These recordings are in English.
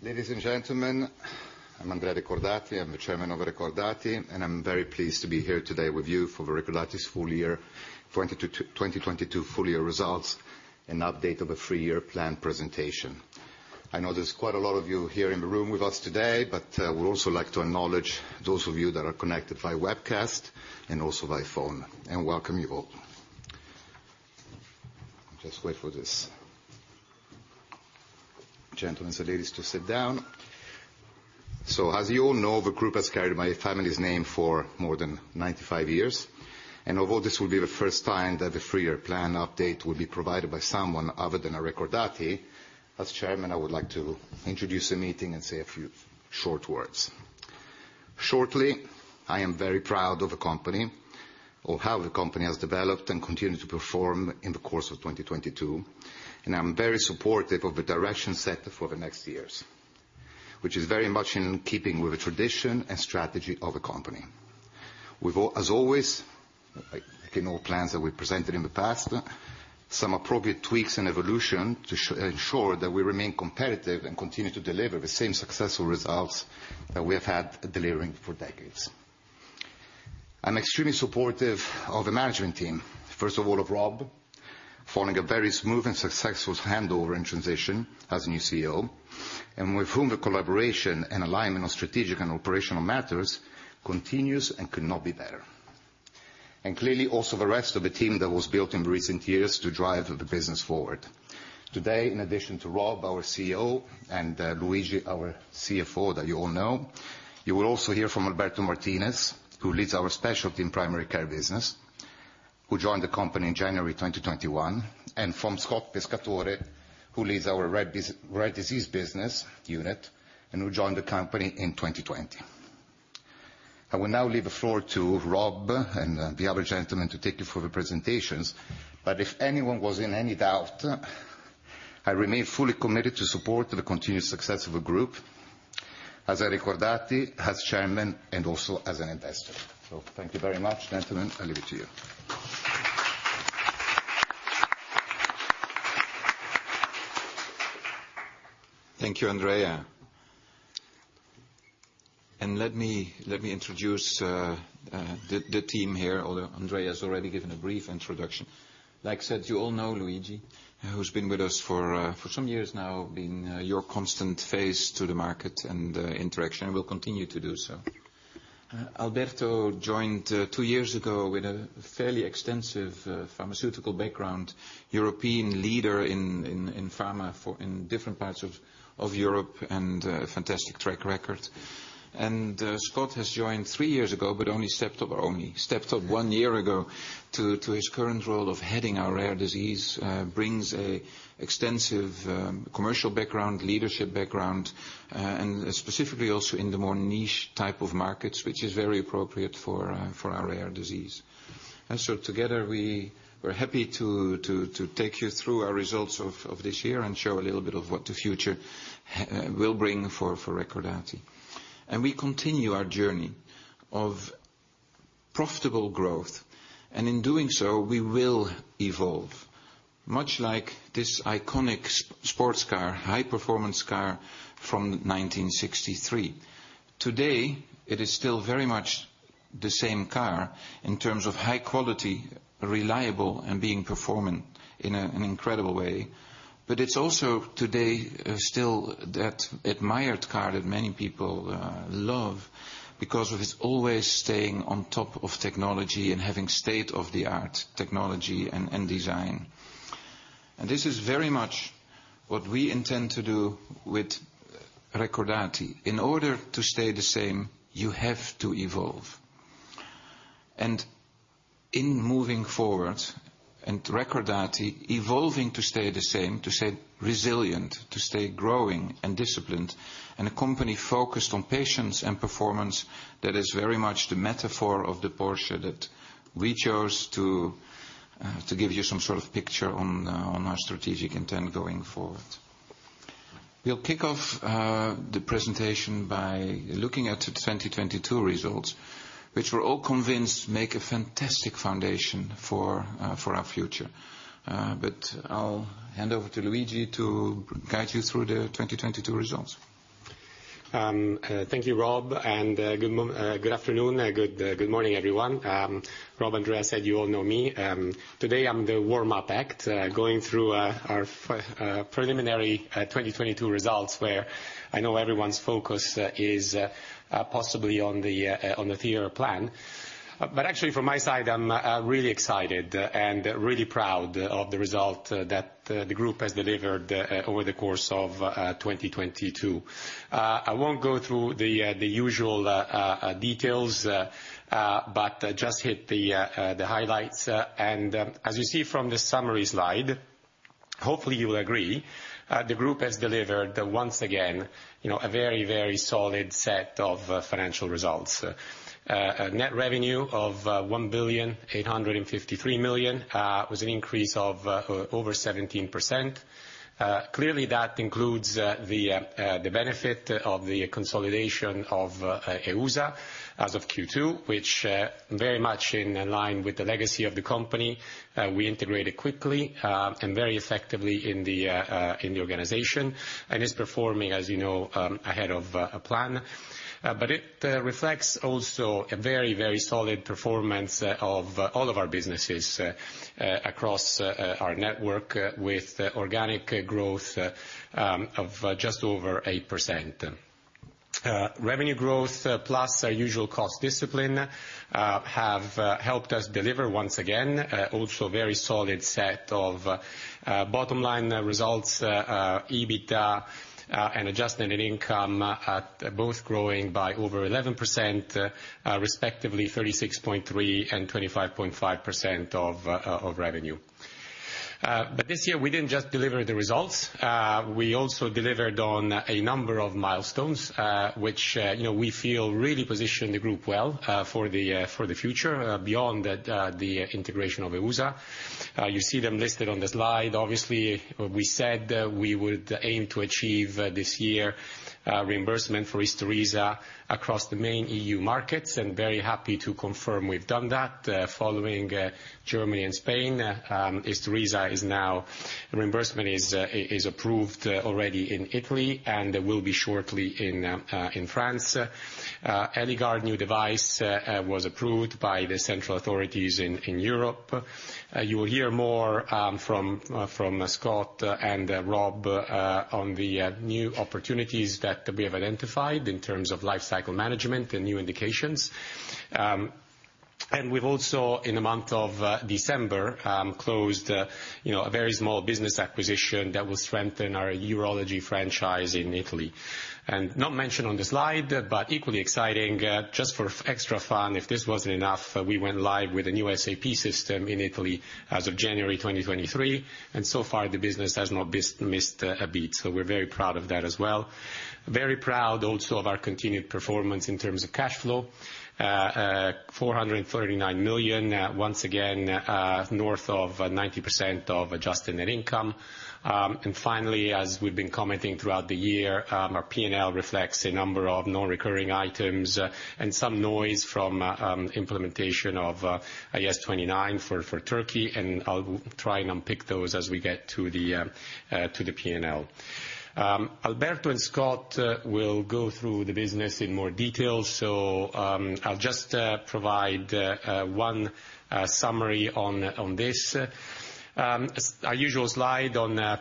Ladies and gentlemen, I'm Andrea Recordati, I'm the Chairman of Recordati. I'm very pleased to be here today with you for the Recordati's full year 2022 full year results, an update of a three-year plan presentation. I know there's quite a lot of you here in the room with us today. We'd also like to acknowledge those of you that are connected via webcast and also via phone, and welcome you all. I'll just wait for this, gentlemen and ladies to sit down. As you all know, the group has carried my family's name for more than 95 years. Although this will be the first time that the three-year plan update will be provided by someone other than a Recordati, as Chairman, I would like to introduce the meeting and say a few short words. Shortly, I am very proud of the company or how the company has developed and continued to perform in the course of 2022. I'm very supportive of the direction set for the next years, which is very much in keeping with the tradition and strategy of the company. We've as always, like in all plans that we presented in the past, some appropriate tweaks and evolution to ensure that we remain competitive and continue to deliver the same successful results that we have had delivering for decades. I'm extremely supportive of the management team. First of all, of Rob, following a very smooth and successful handover and transition as new CEO. With whom the collaboration and alignment on strategic and operational matters continues and could not be better. Clearly, also the rest of the team that was built in recent years to drive the business forward. Today, in addition to Rob, our CEO, and Luigi, our CFO, that you all know, you will also hear from Alberto Martinez, who leads our Specialty and Primary Care Business, who joined the company in January 2021, and from Scott Pescatore, who leads our Rare Disease business unit and who joined the company in 2020. I will now leave the floor to Rob and the other gentlemen to take you through the presentations. If anyone was in any doubt, I remain fully committed to support the continued success of the group as a Recordati, as Chairman, and also as an investor. Thank you very much, gentlemen. I leave it to you. Thank you, Andrea. Let me introduce the team here, although Andrea has already given a brief introduction. Like I said, you all know Luigi, who's been with us for some years now, being your constant face to the market and interaction, and will continue to do so. Alberto joined two years ago with a fairly extensive pharmaceutical background, European leader in pharma in different parts of Europe and a fantastic track record. Scott has joined three years ago, but only stepped up one year ago to his current role of heading our rare disease, brings a extensive commercial background, leadership background, and specifically also in the more niche type of markets, which is very appropriate for our rare disease. Together, we're happy to take you through our results of this year and show a little bit of what the future will bring for Recordati. We continue our journey of profitable growth. In doing so, we will evolve, much like this iconic sports car, high performance car from 1963. Today, it is still very much the same car in terms of high quality, reliable, and being performant in an incredible way. It's also today, still that admired car that many people love because of its always staying on top of technology and having state-of-the-art technology and design. This is very much what we intend to do with Recordati. In order to stay the same, you have to evolve. In moving forward, and Recordati evolving to stay the same, to stay resilient, to stay growing and disciplined, and a company focused on patients and performance, that is very much the metaphor of the Porsche that we chose to give you some sort of picture on our strategic intent going forward. We'll kick off the presentation by looking at the 2022 results, which we're all convinced make a fantastic foundation for our future. I'll hand over to Luigi to guide you through the 2022 results. Thank you, Rob, good afternoon, good morning, everyone. Rob and Andrea said you all know me. Today I'm the warm-up act, going through our preliminary 2022 results, where I know everyone's focus is possibly on the three-year plan. Actually from my side, I'm really excited and really proud of the result that the group has delivered over the course of 2022. I won't go through the usual details, but just hit the highlights. As you see from the summary slide. Hopefully you will agree, the group has delivered, once again, you know, a very, very solid set of financial results. A net revenue of 1.853 billion was an increase of over 17%. Clearly that includes the benefit of the consolidation of EUSA as of Q2, which very much in line with the legacy of the company, we integrated quickly and very effectively in the organization, and is performing, as you know, ahead of a plan. It reflects also a very, very solid performance of all of our businesses across our network with organic growth of just over 8%. Revenue growth plus our usual cost discipline have helped us deliver once again also very solid set of bottom-line results, EBITDA and adjusted net income both growing by over 11%, respectively 36.3% and 25.5% of revenue. This year we didn't just deliver the results, we also delivered on a number of milestones, which, you know, we feel really positioned the group well for the future, beyond the integration of EUSA. You see them listed on the slide. Obviously, we said that we would aim to achieve this year reimbursement for Isturisa across the main E.U. markets, and very happy to confirm we've done that. Following Germany and Spain, Isturisa is now. reimbursement is approved already in Italy and will be shortly in France. Eligard new device was approved by the central authorities in Europe. You will hear more from Scott and Rob on the new opportunities that we have identified in terms of life cycle management and new indications. We've also, in the month of December, closed, you know, a very small business acquisition that will strengthen our urology franchise in Italy. Not mentioned on the slide, but equally exciting, just for extra fun, if this wasn't enough, we went live with a new SAP system in Italy as of January 2023, and so far the business has not missed a beat. We're very proud of that as well. Very proud also of our continued performance in terms of cash flow. 439 million. Once again, north of 90% of adjusted net income. Finally, as we've been commenting throughout the year, our P&L reflects a number of non-recurring items and some noise from implementation of IAS 29 for Turkey, and I'll try and unpick those as we get to the P&L. Alberto and Scott will go through the business in more detail. I'll just provide one summary on this. Our usual slide on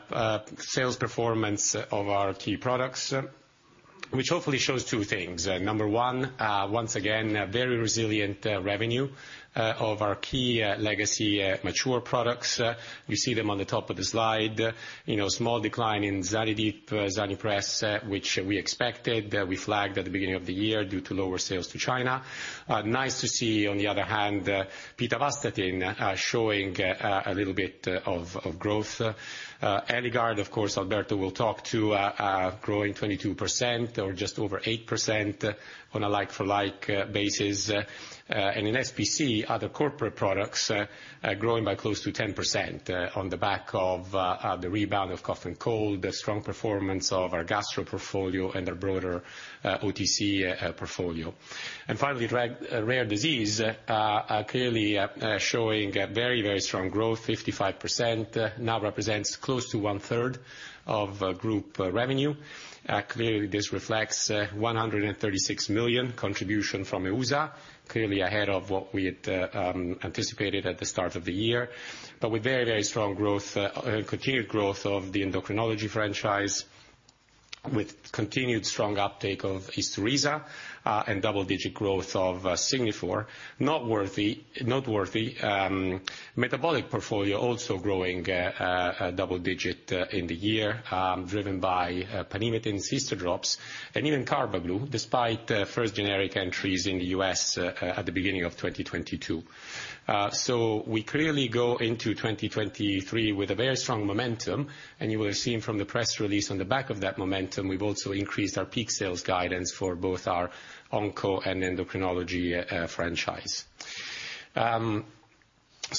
sales performance of our key products, which hopefully shows two things. Number one, once again, a very resilient revenue of our key legacy mature products. You see them on the top of the slide. You know, small decline in Zanidip, Zanipress, which we expected, that we flagged at the beginning of the year due to lower sales to China. Nice to see, on the other hand, Pitavastatin showing a little bit of growth. Eligard, of course, Alberto will talk to, growing 22% or just over 8% on a like-for-like basis. In SPC, other corporate products growing by close to 10% on the back of the rebound of cough and cold, the strong performance of our gastro portfolio and our broader OTC portfolio. Finally, rare disease clearly showing a very, very strong growth, 55%, now represents close to 1/3 of group revenue. Clearly, this reflects 136 million contribution from EUSA, clearly ahead of what we had anticipated at the start of the year. With very, very strong growth, continued growth of the endocrinology franchise, with continued strong uptake of Isturisa, and double-digit growth of Signifor. Noteworthy, metabolic portfolio also growing double digit in the year, driven by Panhematin Cystadrops and even Carbaglu, despite first generic entries in the U.S. at the beginning of 2022. We clearly go into 2023 with a very strong momentum, and you will have seen from the press release on the back of that momentum, we've also increased our peak sales guidance for both our onco and endocrinology franchise.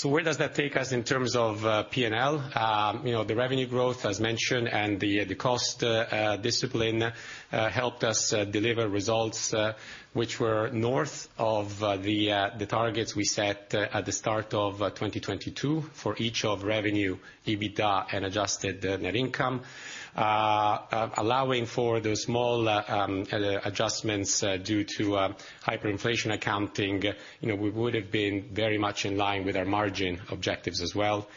Where does that take us in terms of P&L? You know, the revenue growth, as mentioned, and the cost discipline helped us deliver results which were north of the targets we set at the start of 2022 for each of revenue, EBITDA, and adjusted net income. Allowing for the small adjustments due to hyperinflation accounting, you know, we would have been very much in line with our margin objectives as well.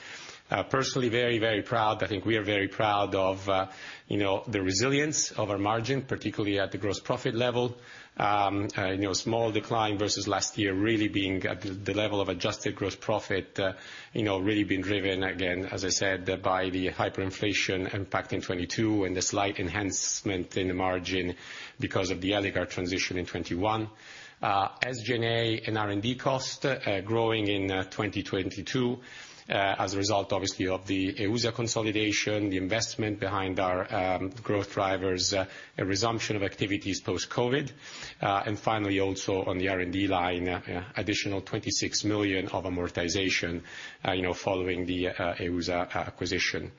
Personally, very, very proud. I think we are very proud of, you know, the resilience of our margin, particularly at the gross profit level. you know, small decline versus last year, really being at the level of adjusted gross profit, you know, really been driven, again, as I said, by the hyperinflation impact in 2022 and the slight enhancement in the margin because of the Eligard transition in 2021. As G&A and R&D cost, growing in 2022, as a result, obviously, of the EUSA consolidation, the investment behind our growth drivers, a resumption of activities post-COVID. Finally, also on the R&D line, additional 26 million of amortization, you know, following the EUSA acquisition.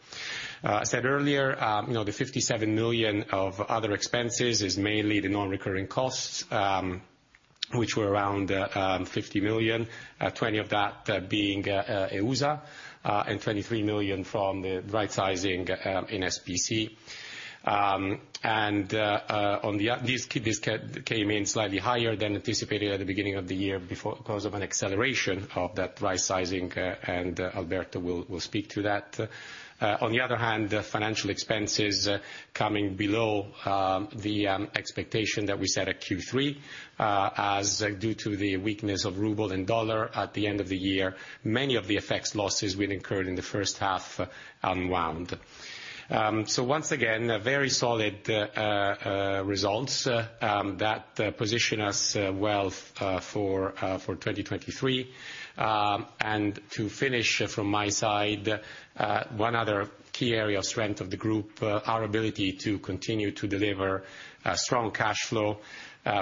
I said earlier, you know, the 57 million of other expenses is mainly the non-recurring costs. Which were around 50 million, 20 million of that being EUSA, and 23 million from the rightsizing in SPC. This came in slightly higher than anticipated at the beginning of the year because of an acceleration of that rightsizing, and Alberto will speak to that. On the other hand, the financial expenses coming below the expectation that we set at Q3, as due to the weakness of ruble and dollar at the end of the year, many of the FX losses we'd incurred in the first half, unwound. Once again, very solid results that position us well for 2023. To finish from my side, one other key area of strength of the group, our ability to continue to deliver strong cash flow,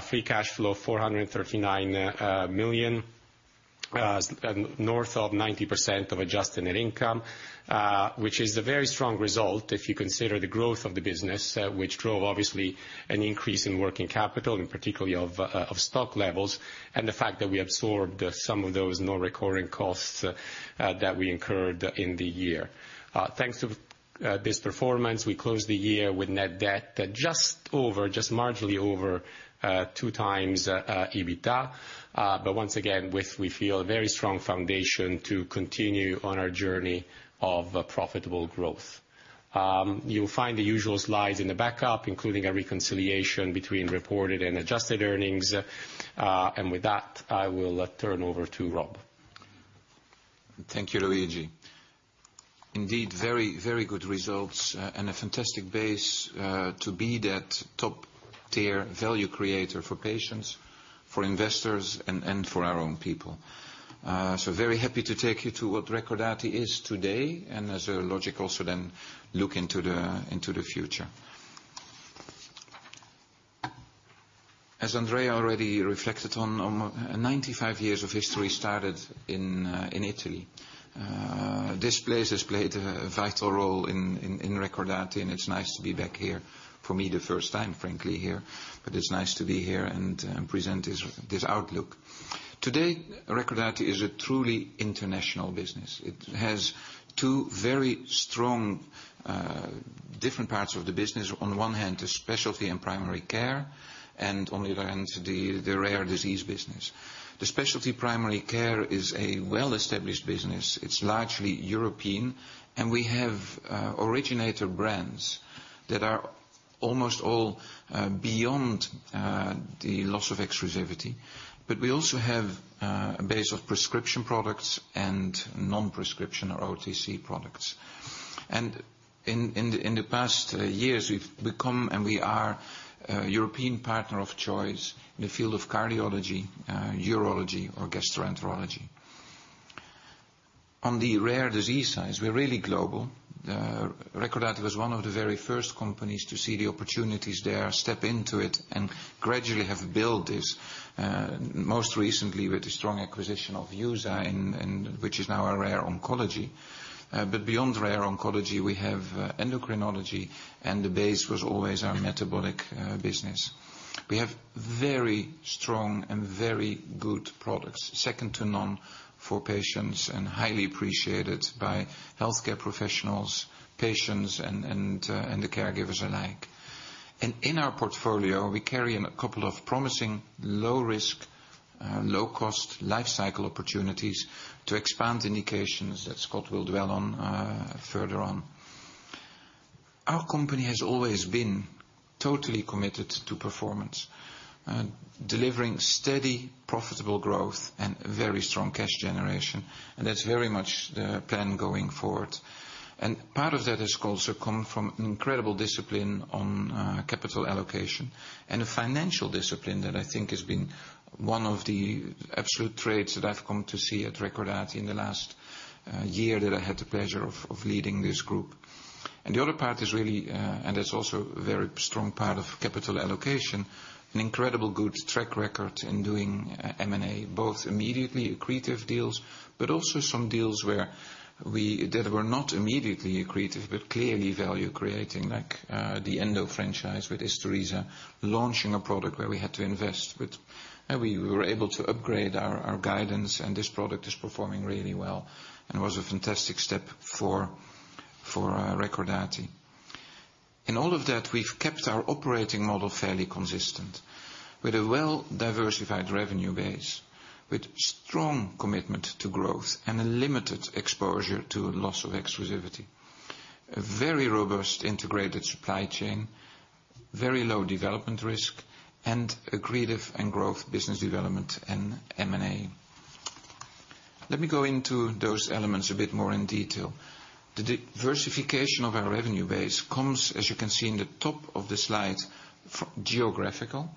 free cash flow 439 million, north of 90% of adjusted net income, which is a very strong result if you consider the growth of the business, which drove obviously an increase in working capital, and particularly of stock levels, and the fact that we absorbed some of those non-recurring costs that we incurred in the year. Thanks to this performance, we closed the year with net debt at just over, just marginally over, 2x EBITDA. Once again, we feel a very strong foundation to continue on our journey of profitable growth. You'll find the usual slides in the backup, including a reconciliation between reported and adjusted earnings. With that, I will turn over to Rob. Thank you, Luigi. Indeed, very, very good results and a fantastic base to be that top-tier value creator for patients, for investors, and for our own people. Very happy to take you to what Recordati is today, and as a logic also then look into the future. As Andrea already reflected on, 95 years of history started in Italy. This place has played a vital role in Recordati, it's nice to be back here for me the first time, frankly, here. It's nice to be here and present this outlook. Today, Recordati is a truly international business. It has two very strong different parts of the business. On one hand, the Specialty and Primary Care, and on the other hand, the Rare Disease business. The Specialty Primary Care is a well-established business. It's largely European, we have originator brands that are almost all beyond the loss of exclusivity. We also have a base of prescription products and non-prescription or OTC products. In the past years, we've become, and we are a European partner of choice in the field of cardiology, urology, or gastroenterology. On the rare disease side, we're really global. Recordati was one of the very first companies to see the opportunities there, step into it, and gradually have built this most recently with the strong acquisition of EUSA and which is now our rare oncology. Beyond rare oncology, we have endocrinology, and the base was always our metabolic business. We have very strong and very good products, second to none for patients and highly appreciated by healthcare professionals, patients, and the caregivers alike. In our portfolio, we carry in a couple of promising low risk, low cost life cycle opportunities to expand indications that Scott will dwell on further on. Our company has always been totally committed to performance, delivering steady profitable growth and very strong cash generation. That's very much the plan going forward. Part of that has also come from an incredible discipline on capital allocation and a financial discipline that I think has been one of the absolute traits that I've come to see at Recordati in the last year that I had the pleasure of leading this group. The other part is really, it's also a very strong part of capital allocation, an incredible good track record in doing M&A, both immediately accretive deals, but also some deals that were not immediately accretive, but clearly value creating, like the Endo franchise with Isturisa, launching a product where we had to invest. We were able to upgrade our guidance, and this product is performing really well, and it was a fantastic step for Recordati. In all of that, we've kept our operating model fairly consistent with a well-diversified revenue base, with strong commitment to growth and a limited exposure to loss of exclusivity, a very robust integrated supply chain, very low development risk, and accretive and growth business development in M&A. Let me go into those elements a bit more in detail. The diversification of our revenue base comes, as you can see in the top of the slide, geographical.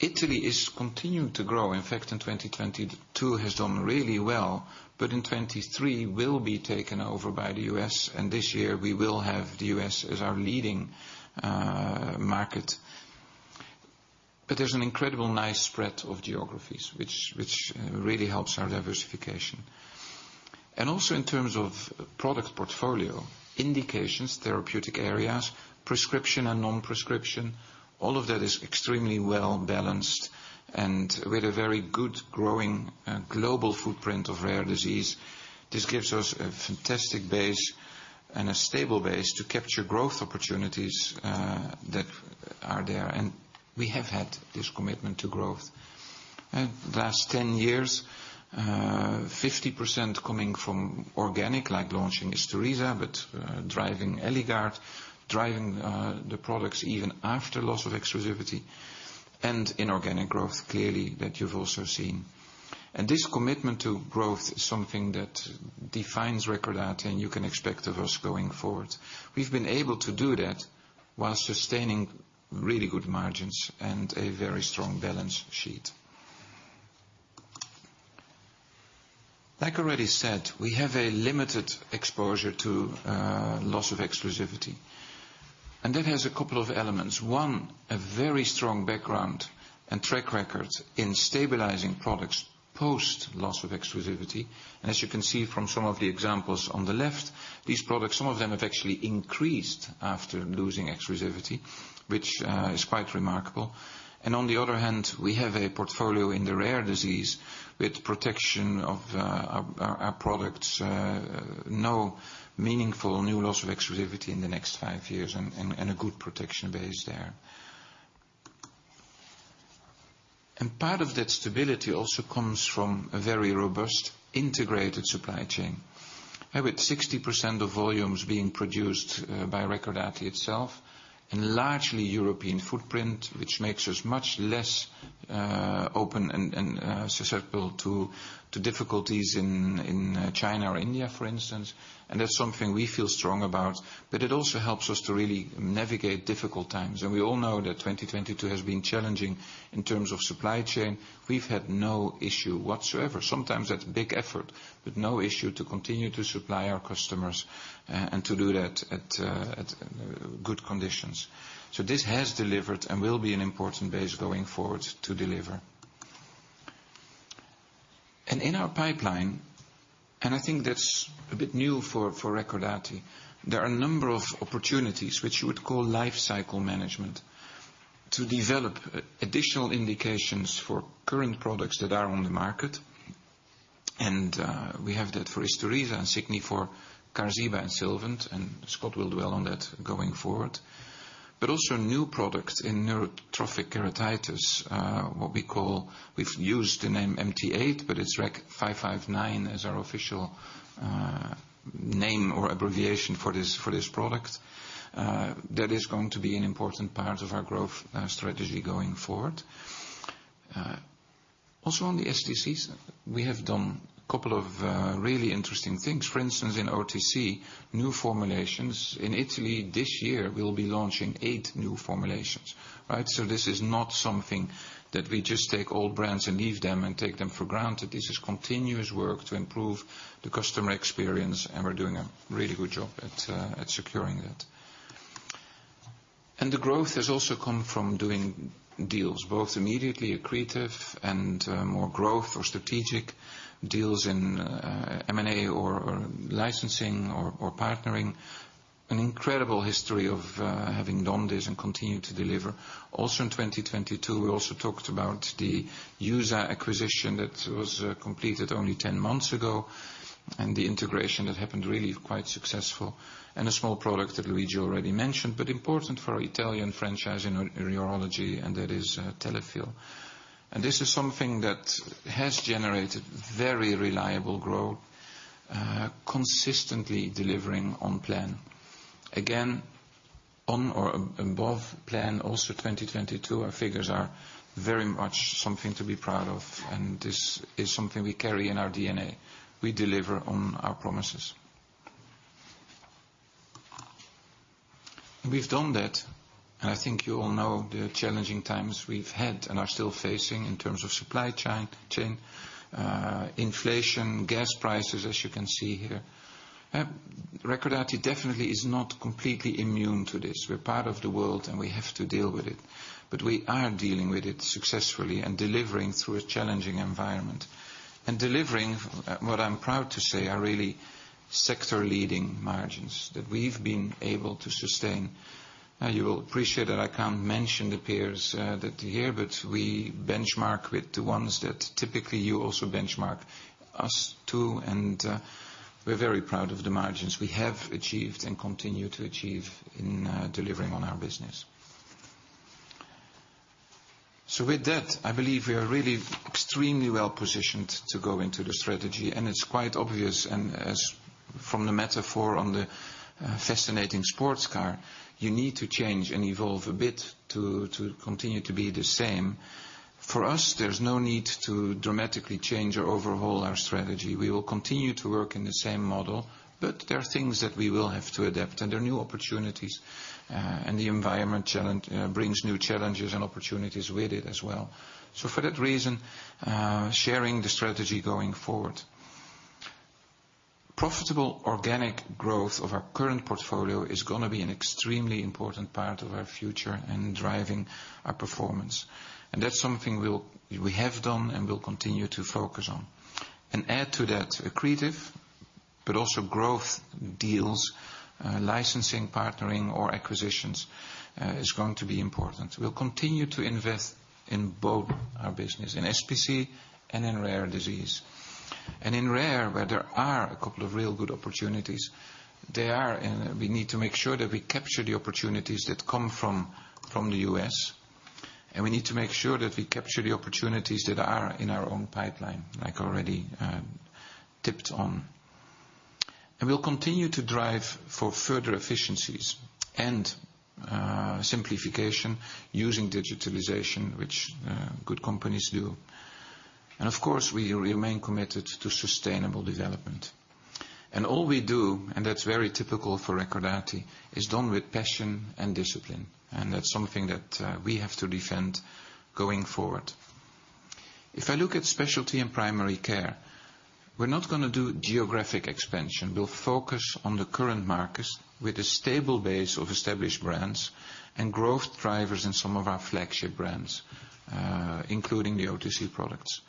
Italy is continuing to grow. In fact, in 2022 has done really well, but in 2023 will be taken over by the U.S. This year, we will have the U.S. as our leading market. There's an incredible nice spread of geographies, which really helps our diversification. Also in terms of product portfolio, indications, therapeutic areas, prescription and non-prescription, all of that is extremely well balanced and with a very good growing global footprint of rare disease. This gives us a fantastic base and a stable base to capture growth opportunities that are there, and we have had this commitment to growth. The last 10 years, 50% coming from organic, like launching Isturisa, but driving Eligard, driving the products even after loss of exclusivity and inorganic growth clearly that you've also seen. This commitment to growth is something that defines Recordati, and you can expect of us going forward. We've been able to do that whilst sustaining really good margins and a very strong balance sheet. Like I already said, we have a limited exposure to loss of exclusivity, and that has a couple of elements. One, a very strong background and track record in stabilizing products post loss of exclusivity. As you can see from some of the examples on the left, these products, some of them have actually increased after losing exclusivity, which is quite remarkable. On the other hand, we have a portfolio in the rare disease with protection of our products, no meaningful new loss of exclusivity in the next five years and a good protection base there. Part of that stability also comes from a very robust integrated supply chain. With 60% of volumes being produced by Recordati itself and largely European footprint, which makes us much less open and susceptible to difficulties in China or India, for instance. That's something we feel strong about, but it also helps us to really navigate difficult times. We all know that 2022 has been challenging in terms of supply chain. We've had no issue whatsoever. Sometimes that's a big effort, but no issue to continue to supply our customers, and to do that at good conditions. This has delivered and will be an important base going forward to deliver. In our pipeline, and I think that's a bit new for Recordati, there are a number of opportunities which you would call life cycle management to develop additional indications for current products that are on the market. We have that for Isturisa and Signifor, Qarziba and Sylvant, and Scott will dwell on that going forward. Also a new product in neurotrophic keratitis, what we call. We've used the name MT-8, but it's REC-559 as our official name or abbreviation for this product. That is going to be an important part of our growth strategy going forward. Also on the SPC, we have done a couple of really interesting things. For instance, in OTC, new formulations. In Italy this year, we'll be launching eight new formulations, right? This is not something that we just take old brands and leave them and take them for granted. This is continuous work to improve the customer experience, and we're doing a really good job at securing it. The growth has also come from doing deals, both immediately accretive and more growth or strategic deals in M&A or licensing or partnering. An incredible history of having done this and continue to deliver. Also in 2022, we also talked about the user acquisition that was completed only 10 months ago and the integration that happened really quite successful. A small product that Luigi already mentioned, but important for our Italian franchise in urology, and that is Telefil. This is something that has generated very reliable growth, consistently delivering on plan. Again, on or above plan also 2022, our figures are very much something to be proud of, and this is something we carry in our DNA. We deliver on our promises. We've done that, and I think you all know the challenging times we've had and are still facing in terms of supply chain, inflation, gas prices, as you can see here. Recordati definitely is not completely immune to this. We're part of the world, and we have to deal with it. We are dealing with it successfully and delivering through a challenging environment. Delivering what I'm proud to say are really sector leading margins that we've been able to sustain. You will appreciate that I can't mention the peers that are here, but we benchmark with the ones that typically you also benchmark us to, and we're very proud of the margins we have achieved and continue to achieve in delivering on our business. With that, I believe we are really extremely well positioned to go into the strategy, and it's quite obvious. As from the metaphor on the fascinating sports car, you need to change and evolve a bit to continue to be the same. For us, there's no need to dramatically change or overhaul our strategy. We will continue to work in the same model, but there are things that we will have to adapt, and there are new opportunities. The environment challenge brings new challenges and opportunities with it as well. For that reason, sharing the strategy going forward. Profitable organic growth of our current portfolio is gonna be an extremely important part of our future in driving our performance. That's something we have done and will continue to focus on. Add to that accretive but also growth deals, licensing, partnering, or acquisitions is going to be important. We'll continue to invest in both our business, in SPC and in rare disease. In rare, where there are a couple of real good opportunities, there are and we need to make sure that we capture the opportunities that come from the U..S, and we need to make sure that we capture the opportunities that are in our own pipeline, like already tipped on. We'll continue to drive for further efficiencies and simplification using digitalization, which good companies do. Of course, we remain committed to sustainable development. All we do, and that's very typical for Recordati, is done with passion and discipline, and that's something that we have to defend going forward. If I look at Specialty and Primary Care, we're not gonna do geographic expansion. We'll focus on the current markets with a stable base of established brands and growth drivers in some of our flagship brands, including the OTC products.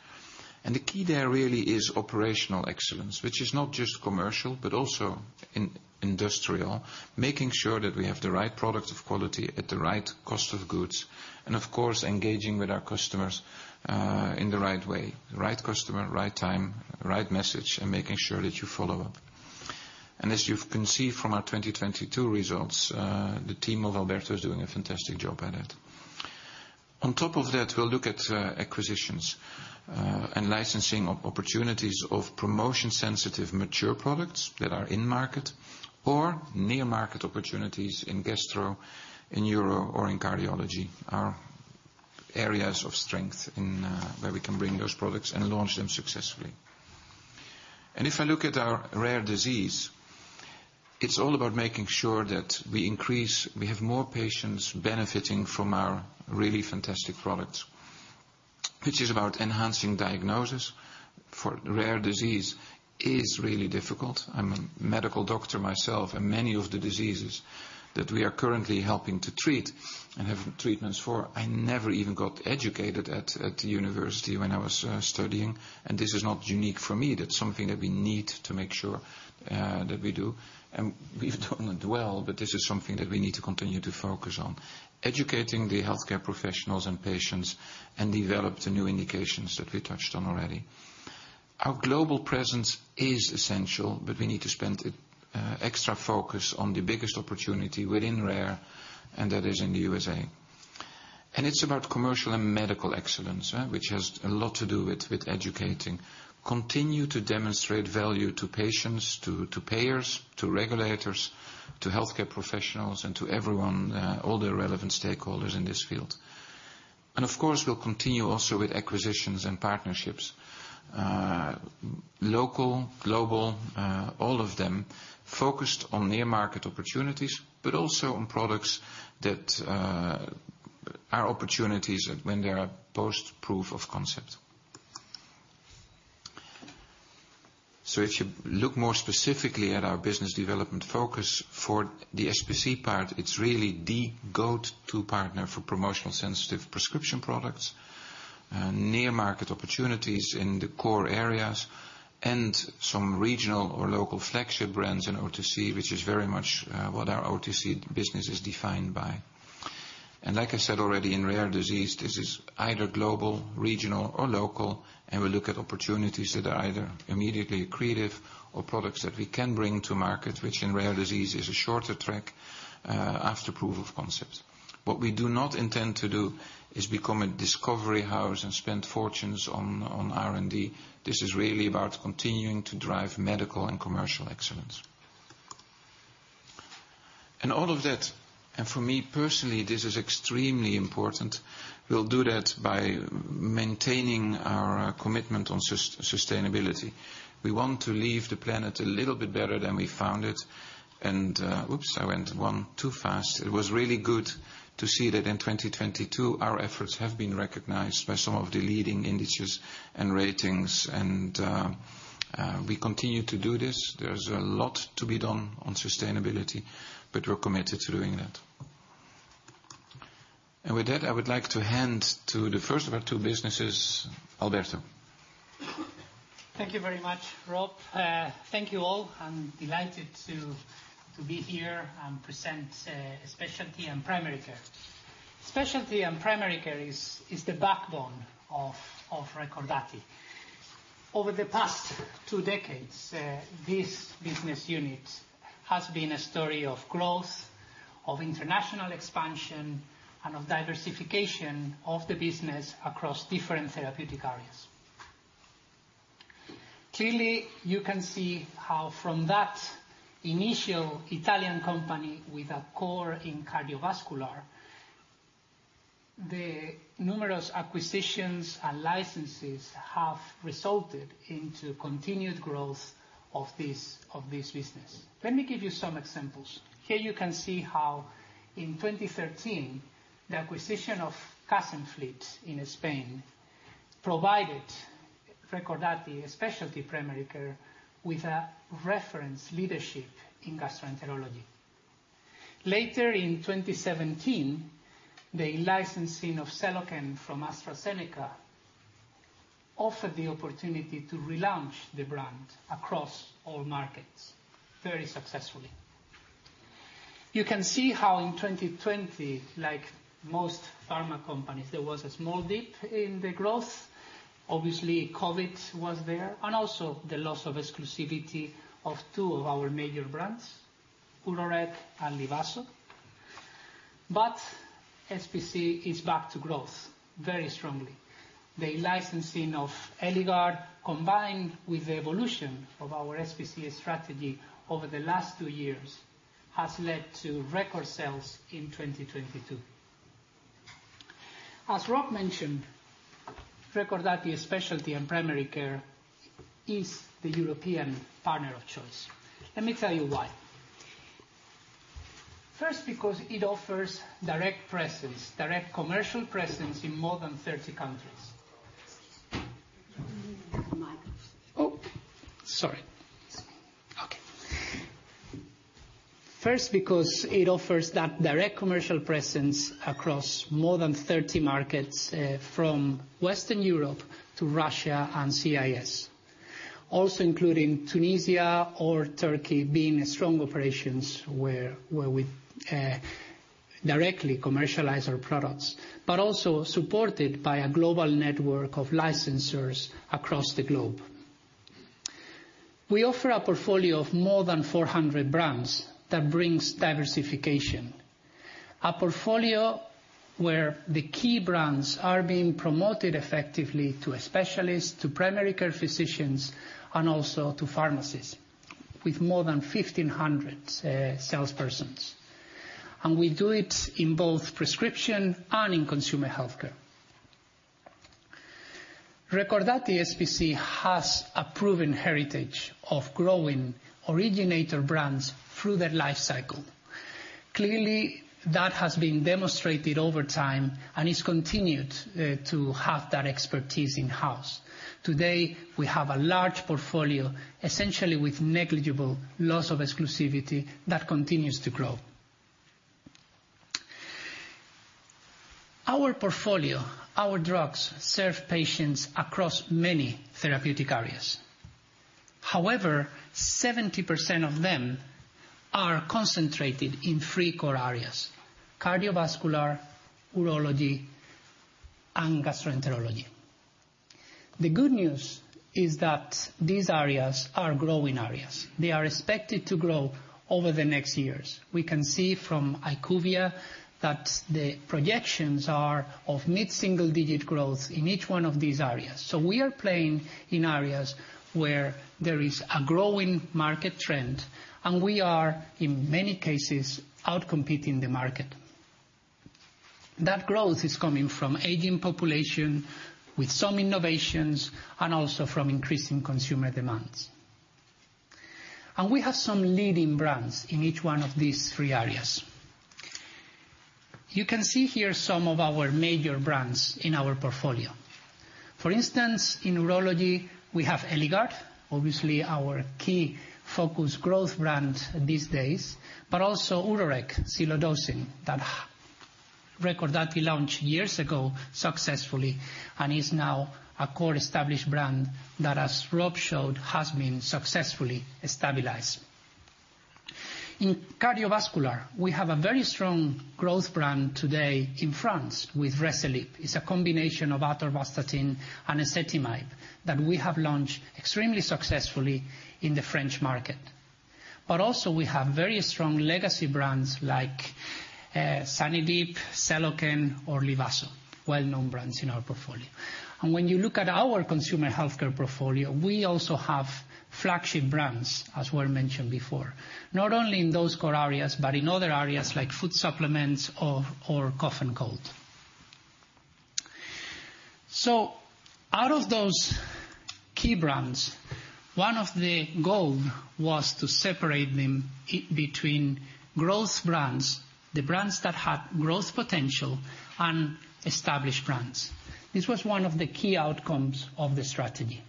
The key there really is operational excellence, which is not just commercial, but also in industrial, making sure that we have the right product of quality at the right cost of goods, and of course, engaging with our customers, in the right way, right customer, right time, right message, and making sure that you follow up. As you can see from our 2022 results, the team of Alberto is doing a fantastic job at it. On top of that, we'll look at acquisitions, and licensing of opportunities of promotion-sensitive mature products that are in market or near market opportunities in gastro, in euro or in cardiology are areas of strength in, where we can bring those products and launch them successfully. If I look at our rare disease, it's all about making sure that we have more patients benefiting from our really fantastic products, which is about enhancing diagnosis for rare disease is really difficult. I'm a medical doctor myself, and many of the diseases that we are currently helping to treat and have treatments for, I never even got educated at the university when I was studying. This is not unique for me. That's something that we need to make sure that we do. We've done it well, but this is something that we need to continue to focus on. Educating the healthcare professionals and patients and develop the new indications that we touched on already. Our global presence is essential, but we need to spend extra focus on the biggest opportunity within Rare, and that is in the USA. It's about commercial and medical excellence, which has a lot to do with educating. Continue to demonstrate value to patients, to payers, to regulators, to healthcare professionals, and to everyone, all the relevant stakeholders in this field. Of course, we'll continue also with acquisitions and partnerships. Local, global, all of them focused on near market opportunities, but also on products that are opportunities when they are post proof of concept. If you look more specifically at our business development focus for the SPC part, it's really the go-to partner for promotional sensitive prescription products, near market opportunities in the core areas and some regional or local flagship brands in OTC, which is very much what our OTC business is defined by. Like I said already, in rare disease, this is either global, regional or local, and we look at opportunities that are either immediately accretive or products that we can bring to market, which in rare disease is a shorter track after proof of concept. What we do not intend to do is become a discovery house and spend fortunes on R&D. This is really about continuing to drive medical and commercial excellence. All of that, and for me personally, this is extremely important. We'll do that by maintaining our commitment on sustainability. We want to leave the planet a little bit better than we found it. Oops, I went one too fast. It was really good to see that in 2022, our efforts have been recognized by some of the leading indices and ratings, and we continue to do this. There's a lot to be done on sustainability, but we're committed to doing that. With that, I would like to hand to the first of our two businesses, Alberto. Thank you very much, Rob. Thank you all. I'm delighted to be here and present Specialty and Primary Care. Specialty and Primary Care is the backbone of Recordati. Over the past two decades, this business unit has been a story of growth, of international expansion, and of diversification of the business across different therapeutic areas. Clearly, you can see how from that initial Italian company with a core in cardiovascular, the numerous acquisitions and licenses have resulted into continued growth of this business. Let me give you some examples. Here you can see how in 2013, the acquisition of Casen Fleet in Spain provided Recordati Specialty Primary Care with a reference leadership in gastroenterology. Later in 2017, the licensing of Seloken from AstraZeneca offered the opportunity to relaunch the brand across all markets very successfully. You can see how in 2020, like most pharma companies, there was a small dip in the growth. Obviously, COVID was there, and also the loss of exclusivity of two of our major brands, Urorec and Livazo. SPC is back to growth very strongly. The licensing of Eligard, combined with the evolution of our SPC strategy over the last two years, has led to record sales in 2022. As Rob mentioned, Recordati Specialty and Primary Care is the European partner of choice. Let me tell you why. First, because it offers direct presence, direct commercial presence in more than 30 countries. Excuse me. You need a mic. Oh, sorry. It's okay. Okay. First, because it offers that direct commercial presence across more than 30 markets, from Western Europe to Russia and CIS. Including Tunisia or Turkey being strong operations where we directly commercialize our products, but also supported by a global network of licensors across the globe. We offer a portfolio of more than 400 brands that brings diversification. A portfolio where the key brands are being promoted effectively to specialists, to primary care physicians, and also to pharmacists with more than 1,500 salespersons. We do it in both prescription and in consumer healthcare. Recordati SPC has a proven heritage of growing originator brands through their life cycle. Clearly, that has been demonstrated over time and is continued to have that expertise in-house. Today, we have a large portfolio, essentially with negligible loss of exclusivity that continues to grow. Our portfolio, our drugs serve patients across many therapeutic areas. However, 70% of them are concentrated in 3 core areas: cardiovascular, urology, and gastroenterology. The good news is that these areas are growing areas. They are expected to grow over the next years. We can see from IQVIA that the projections are of mid-single digit growth in each one of these areas. We are playing in areas where there is a growing market trend, and we are, in many cases, out-competing the market. That growth is coming from aging population with some innovations and also from increasing consumer demands. We have some leading brands in each one of these three areas. You can see here some of our major brands in our portfolio. For instance, in urology, we have Eligard, obviously our key focus growth brand these days, but also Urorec, Silodosin, that Recordati launched years ago successfully and is now a core established brand that, as Rob showed, has been successfully stabilized. In cardiovascular, we have a very strong growth brand today in France with Reselip. It's a combination of atorvastatin and ezetimibe that we have launched extremely successfully in the French market. Also, we have very strong legacy brands like Zanidip, Seloken or Livazo, well-known brands in our portfolio. When you look at our consumer healthcare portfolio, we also have flagship brands as were mentioned before, not only in those core areas, but in other areas like food supplements or cough and cold. Out of those key brands, one of the goal was to separate them between growth brands, the brands that had growth potential, and established brands. This was one of the key outcomes of the strategy.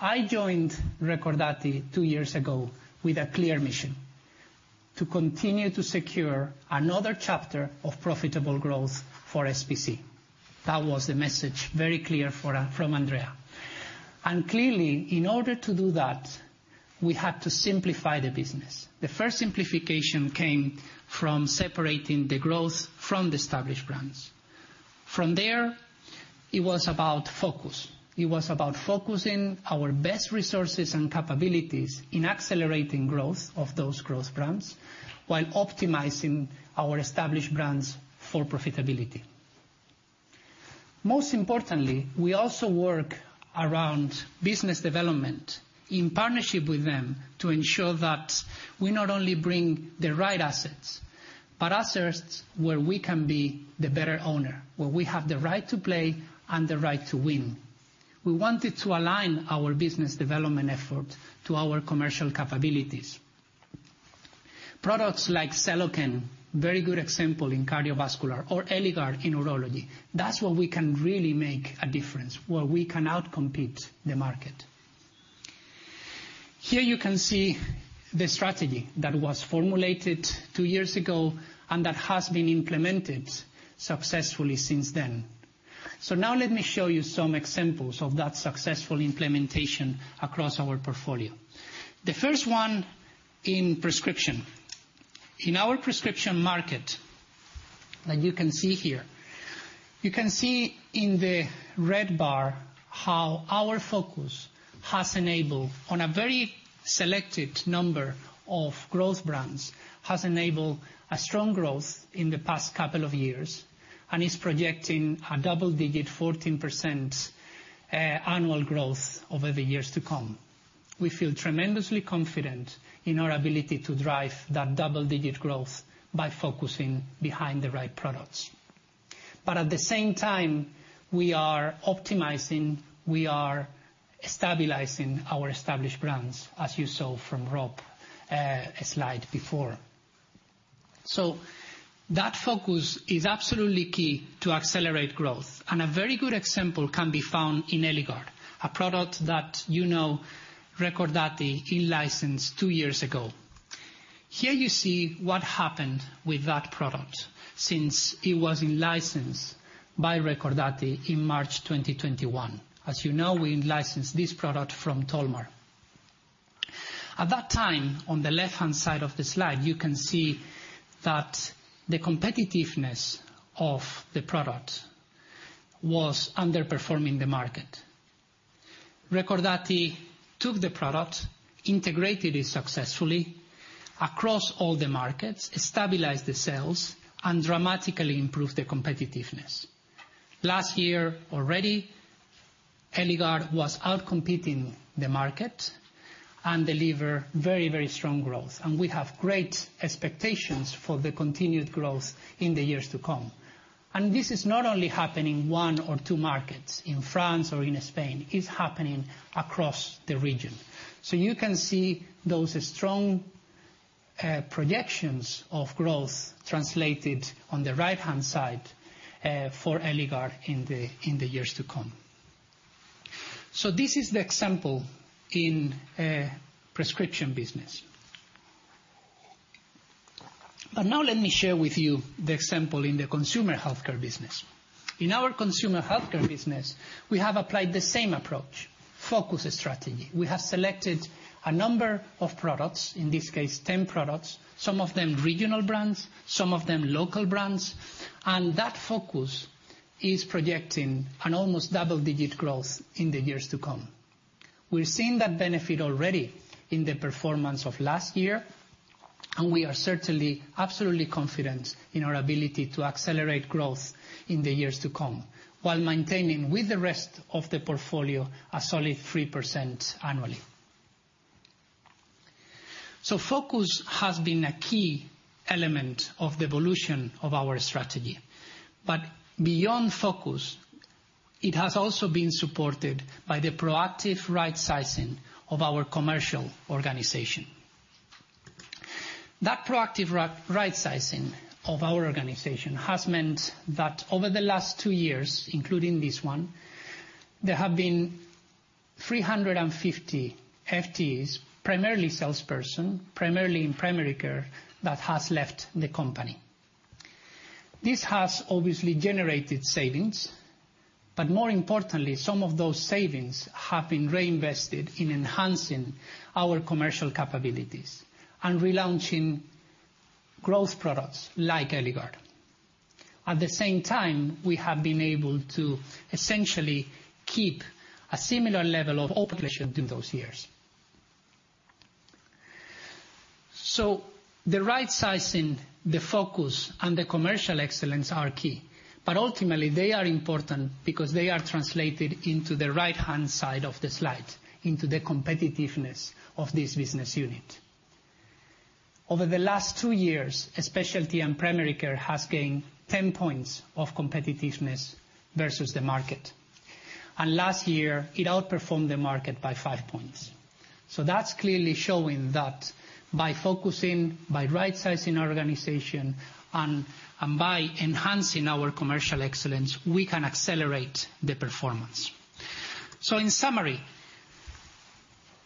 I joined Recordati two years ago with a clear mission: to continue to secure another chapter of profitable growth for SPC. That was the message, very clear from Andrea. Clearly, in order to do that, we had to simplify the business. The first simplification came from separating the growth from the established brands. From there, it was about focus. It was about focusing our best resources and capabilities in accelerating growth of those growth brands while optimizing our established brands for profitability. Most importantly, we also work around business development in partnership with them to ensure that we not only bring the right assets, but assets where we can be the better owner, where we have the right to play and the right to win. We wanted to align our business development effort to our commercial capabilities. Products like Seloken, very good example in cardiovascular or Eligard in urology. That's where we can really make a difference, where we can outcompete the market. Here you can see the strategy that was formulated two years ago, that has been implemented successfully since then. Now let me show you some examples of that successful implementation across our portfolio. The first one in prescription. In our prescription market, like you can see here, you can see in the red bar how our focus has enabled on a very selected number of growth brands, has enabled a strong growth in the past two years, and is projecting a double-digit 14% annual growth over the years to come. We feel tremendously confident in our ability to drive that double-digit growth by focusing behind the right products. At the same time, we are optimizing, we are stabilizing our established brands, as you saw from Rob slide before. That focus is absolutely key to accelerate growth. A very good example can be found in Eligard, a product that you know Recordati in-licensed two years ago. Here you see what happened with that product since it was in-licensed by Recordati in March 2021. As you know, we in-licensed this product from Tolmar. At that time, on the left-hand side of the slide, you can see that the competitiveness of the product was underperforming the market. Recordati took the product, integrated it successfully across all the markets, stabilized the sales, and dramatically improved the competitiveness. Last year already, Eligard was outcompeting the market and deliver very, very strong growth. We have great expectations for the continued growth in the years to come. This is not only happening one or two markets in France or in Spain, it's happening across the region. You can see those strong projections of growth translated on the right-hand side for Eligard in the years to come. This is the example in prescription business. Now let me share with you the example in the consumer healthcare business. In our consumer healthcare business, we have applied the same approach, focus strategy. We have selected a number of products, in this case, 10 products, some of them regional brands, some of them local brands. That focus is projecting an almost double-digit growth in the years to come. We're seeing that benefit already in the performance of last year. We are certainly absolutely confident in our ability to accelerate growth in the years to come while maintaining with the rest of the portfolio a solid 3% annually. Focus has been a key element of the evolution of our strategy. Beyond focus, it has also been supported by the proactive rightsizing of our commercial organization. That proactive rightsizing of our organization has meant that over the last two years, including this one, there have been 350 FTEs, primarily salesperson, primarily in primary care, that has left the company. This has obviously generated savings, but more importantly, some of those savings have been reinvested in enhancing our commercial capabilities and relaunching growth products like Eligard. At the same time, we have been able to essentially keep a similar level of operation through those years. The rightsizing, the focus, and the commercial excellence are key. Ultimately, they are important because they are translated into the right-hand side of the slide, into the competitiveness of this business unit. Over the last two years, Specialty and Primary Care has gained 10 points of competitiveness versus the market. Last year, it outperformed the market by 5 points. That's clearly showing that by focusing, by rightsizing our organization and by enhancing our commercial excellence, we can accelerate the performance. In summary,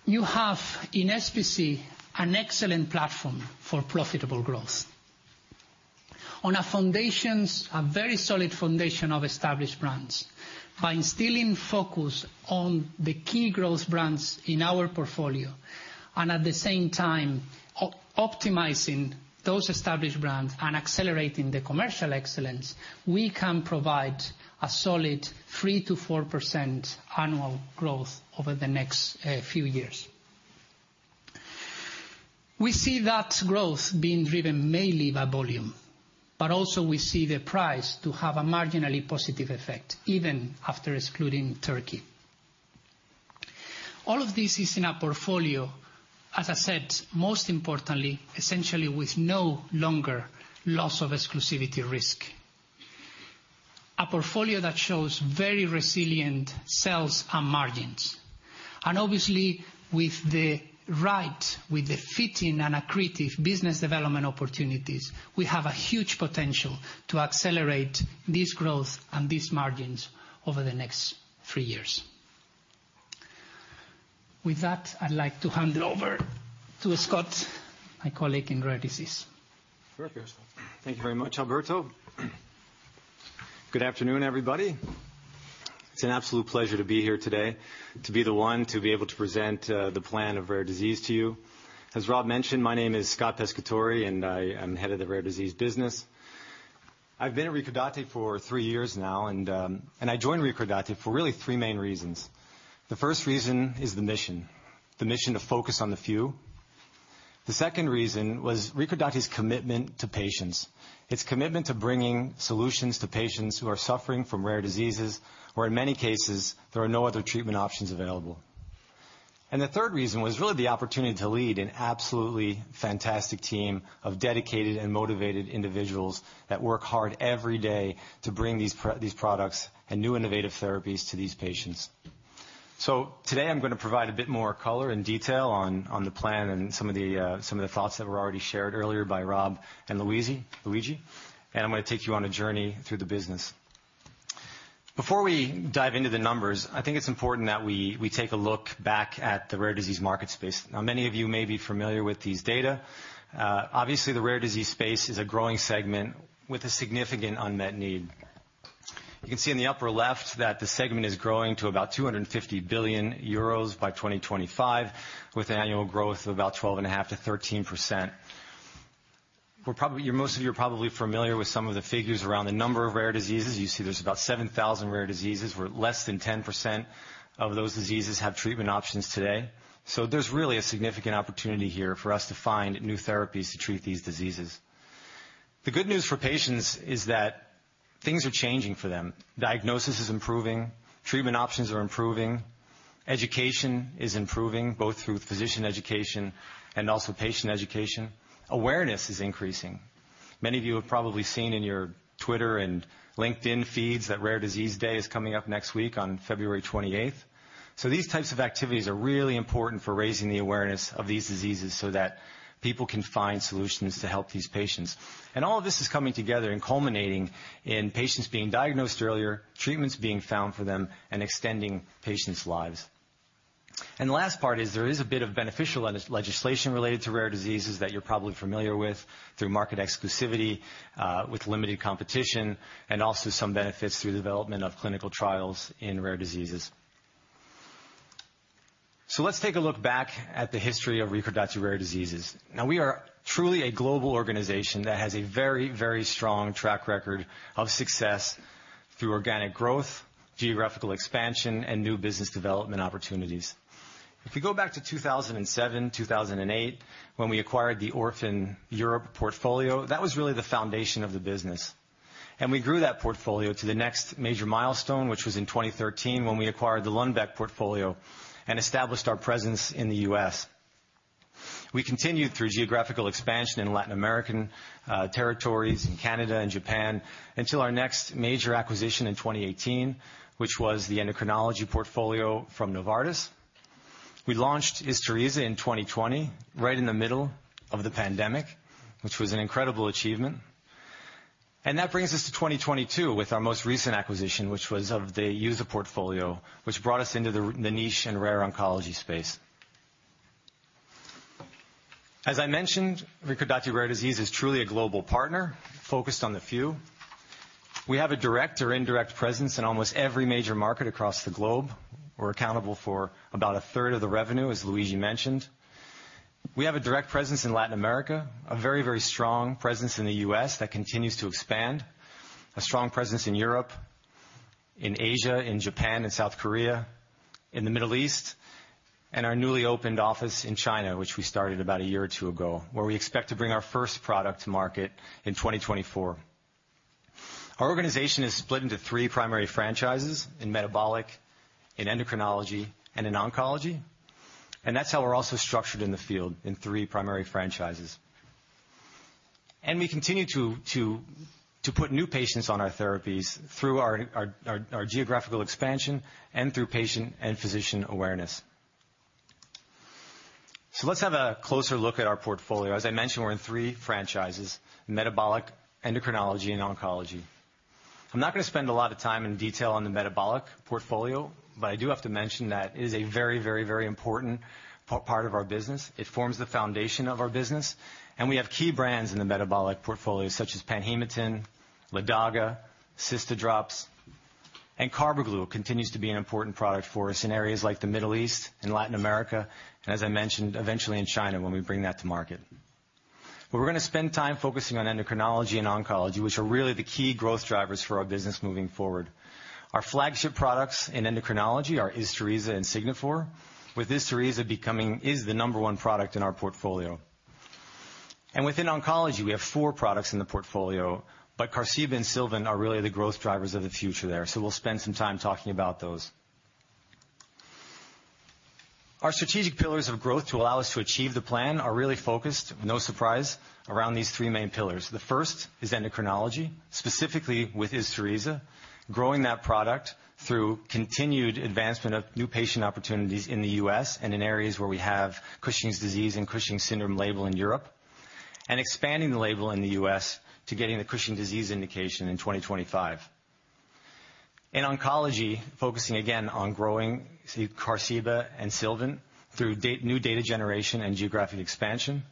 you have in SPC an excellent platform for profitable growth. On a foundations, a very solid foundation of established brands, by instilling focus on the key growth brands in our portfolio, and at the same time, optimizing those established brands and accelerating the commercial excellence, we can provide a solid 3%-4% annual growth over the next few years. We see that growth being driven mainly by volume, but also we see the price to have a marginally positive effect, even after excluding Turkey. All of this is in our portfolio, as I said, most importantly, essentially with no longer loss of exclusivity risk. A portfolio that shows very resilient sales and margins. Obviously, with the fitting and accretive business development opportunities, we have a huge potential to accelerate this growth and these margins over the next three years. With that, I'd like to hand over to Scott, my colleague in Rare Diseases. Perfect. Thank you very much, Alberto. Good afternoon, everybody. It's an absolute pleasure to be here today to be the one to be able to present the plan of Rare Disease to you. As Rob mentioned, my name is Scott Pescatore, and I am Head of the Rare Disease business. I've been at Recordati for three years now, and I joined Recordati for really three main reasons. The first reason is the mission, the mission to focus on the few. The second reason was Recordati's commitment to patients. Its commitment to bringing solutions to patients who are suffering from rare diseases, where in many cases, there are no other treatment options available. The third reason was really the opportunity to lead an absolutely fantastic team of dedicated and motivated individuals that work hard every day to bring these products and new innovative therapies to these patients. Today I'm gonna provide a bit more color and detail on the plan and some of the some of the thoughts that were already shared earlier by Rob and Luigi. I'm gonna take you on a journey through the business. Before we dive into the numbers, I think it's important that we take a look back at the rare disease market space. Many of you may be familiar with these data. Obviously, the rare disease space is a growing segment with a significant unmet need. You can see in the upper left that the segment is growing to about 250 billion euros by 2025, with annual growth of about 12.5%-13%. Most of you are probably familiar with some of the figures around the number of rare diseases. You see there's about 7,000 rare diseases, where less than 10% of those diseases have treatment options today. There's really a significant opportunity here for us to find new therapies to treat these diseases. The good news for patients is that things are changing for them. Diagnosis is improving, treatment options are improving, education is improving, both through physician education and also patient education. Awareness is increasing. Many of you have probably seen in your Twitter and LinkedIn feeds that Rare Disease Day is coming up next week on February 28th. These types of activities are really important for raising the awareness of these diseases so that people can find solutions to help these patients. All of this is coming together and culminating in patients being diagnosed earlier, treatments being found for them and extending patients' lives. The last part is there is a bit of beneficial legislation related to rare diseases that you're probably familiar with through market exclusivity, with limited competition, and also some benefits through the development of clinical trials in rare diseases. Let's take a look back at the history of Recordati Rare Diseases. We are truly a global organization that has a very, very strong track record of success through organic growth, geographical expansion, and new business development opportunities. If you go back to 2007, 2008, when we acquired the Orphan Europe portfolio, that was really the foundation of the business. We grew that portfolio to the next major milestone, which was in 2013 when we acquired the Lundbeck portfolio and established our presence in the U.S. We continued through geographical expansion in Latin American territories, in Canada and Japan, until our next major acquisition in 2018, which was the endocrinology portfolio from Novartis. We launched Isturisa in 2020, right in the middle of the pandemic, which was an incredible achievement. That brings us to 2022 with our most recent acquisition, which was of the EUSA portfolio, which brought us into the niche in rare oncology space. As I mentioned, Recordati Rare Diseases is truly a global partner focused on the few. We have a direct or indirect presence in almost every major market across the globe. We're accountable for about a third of the revenue, as Luigi mentioned. We have a direct presence in Latin America, a very, very strong presence in the U.S. that continues to expand, a strong presence in Europe, in Asia, in Japan and South Korea, in the Middle East, and our newly opened office in China, which we started about a year or two ago, where we expect to bring our first product to market in 2024. Our organization is split into three primary franchises in metabolic, in endocrinology, and in oncology, and that's how we're also structured in the field in three primary franchises. We continue to put new patients on our therapies through our geographical expansion and through patient and physician awareness. Let's have a closer look at our portfolio. As I mentioned, we're in three franchises, metabolic, endocrinology, and oncology. I'm not gonna spend a lot of time in detail on the metabolic portfolio, but I do have to mention that it is a very, very, very important part of our business. It forms the foundation of our business, and we have key brands in the metabolic portfolio such as Panhematin, Ledaga, Cystadrops, and Carbaglu continues to be an important product for us in areas like the Middle East and Latin America, and as I mentioned, eventually in China when we bring that to market. We're gonna spend time focusing on endocrinology and oncology, which are really the key growth drivers for our business moving forward. Our flagship products in endocrinology are Isturisa and Signifor, with Isturisa is the number one product in our portfolio. Within oncology, we have four products in the portfolio, but Qarziba and Sylvant are really the growth drivers of the future there. We'll spend some time talking about those. Our strategic pillars of growth to allow us to achieve the plan are really focused, no surprise, around these three main pillars. The first is endocrinology, specifically with Isturisa, growing that product through continued advancement of new patient opportunities in the U.S. and in areas where we have Cushing's disease and Cushing's syndrome label in Europe. Expanding the label in the U.S. to getting the Cushing's disease indication in 2025. In oncology, focusing again on growing Qarziba and Sylvant through new data generation and geographic expansion.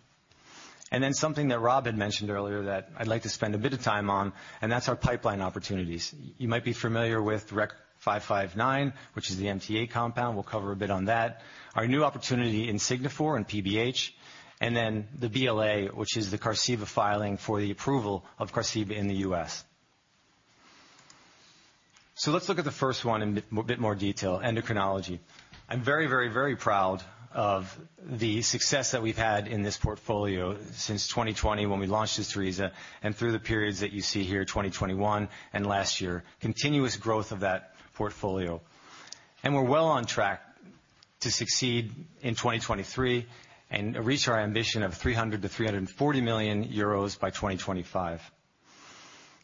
Something that Rob had mentioned earlier that I'd like to spend a bit of time on, and that's our pipeline opportunities. You might be familiar with REC 559, which is the MTA compound. We'll cover a bit on that. Our new opportunity in Signifor and PBH, the BLA, which is the Qarziba filing for the approval of Qarziba in the U.S. Let's look at the first one in a bit more detail, endocrinology. I'm very proud of the success that we've had in this portfolio since 2020 when we launched Isturisa, through the periods that you see here, 2021 and last year, continuous growth of that portfolio. We're well on track to succeed in 2023 and reach our ambition of 300 million-340 million euros by 2025.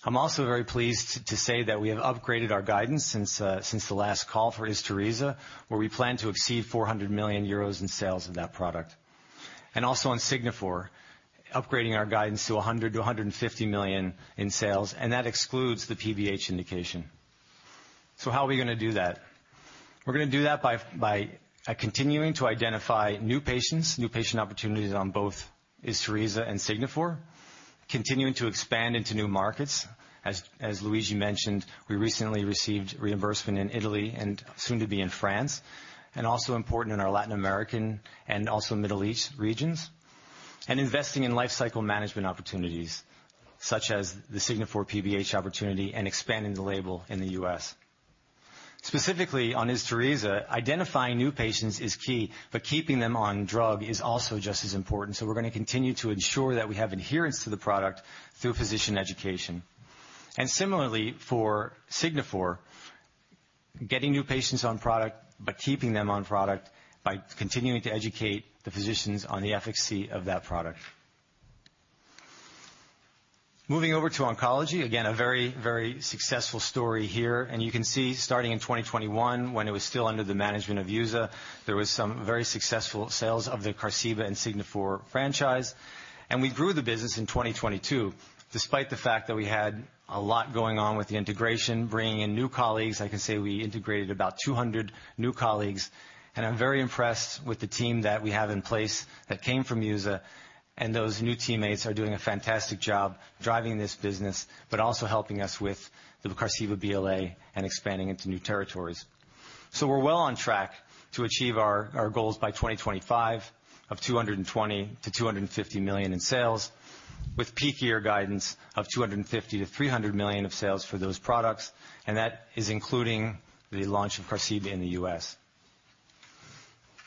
I'm also very pleased to say that we have upgraded our guidance since the last call for Isturisa, where we plan to exceed 400 million euros in sales of that product. Also on Signifor, upgrading our guidance to 100 million-150 million in sales, and that excludes the PBH indication. How are we gonna do that? We're gonna do that by continuing to identify new patients, new patient opportunities on both Isturisa and Signifor, continuing to expand into new markets. As Luigi mentioned, we recently received reimbursement in Italy and soon to be in France, and also important in our Latin American and also Middle East regions. Investing in lifecycle management opportunities, such as the Signifor PBH opportunity and expanding the label in the U.S. Specifically on Isturisa, identifying new patients is key, but keeping them on drug is also just as important. We're gonna continue to ensure that we have adherence to the product through physician education. Similarly for Signifor, getting new patients on product, but keeping them on product by continuing to educate the physicians on the efficacy of that product. Moving over to oncology, again, a very, very successful story here. You can see starting in 2021, when it was still under the management of EUSA, there was some very successful sales of the Qarziba and Signifor franchise. We grew the business in 2022, despite the fact that we had a lot going on with the integration, bringing in new colleagues. I can say we integrated about 200 new colleagues, and I'm very impressed with the team that we have in place that came from EUSA Pharma, and those new teammates are doing a fantastic job driving this business, but also helping us with the Qarziba BLA and expanding into new territories. We're well on track to achieve our goals by 2025 of 220 million-250 million in sales, with peak year guidance of 250 million-300 million of sales for those products, and that is including the launch of Qarziba in the U.S.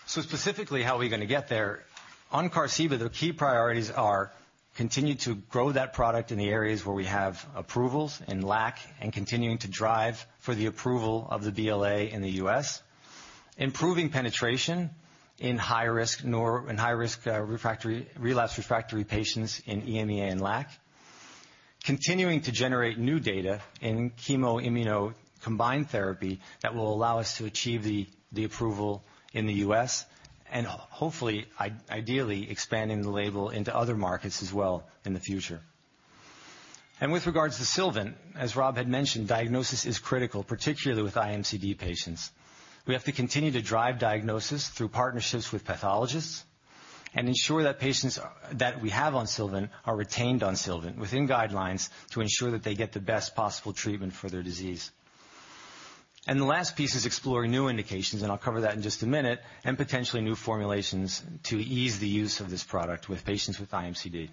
Specifically, how are we gonna get there? On Qarziba, the key priorities are continue to grow that product in the areas where we have approvals in LAC and continuing to drive for the approval of the BLA in the U.S., improving penetration in high-risk, relapse refractory patients in EMEA and LAC, continuing to generate new data in chemo-immuno combined therapy that will allow us to achieve the approval in the U.S., and hopefully, ideally, expanding the label into other markets as well in the future. With regards to Sylvant, as Rob had mentioned, diagnosis is critical, particularly with IMCD patients. We have to continue to drive diagnosis through partnerships with pathologists and ensure that patients that we have on Sylvant are retained on Sylvant within guidelines to ensure that they get the best possible treatment for their disease. The last piece is exploring new indications, and I'll cover that in just a minute, and potentially new formulations to ease the use of this product with patients with IMCD.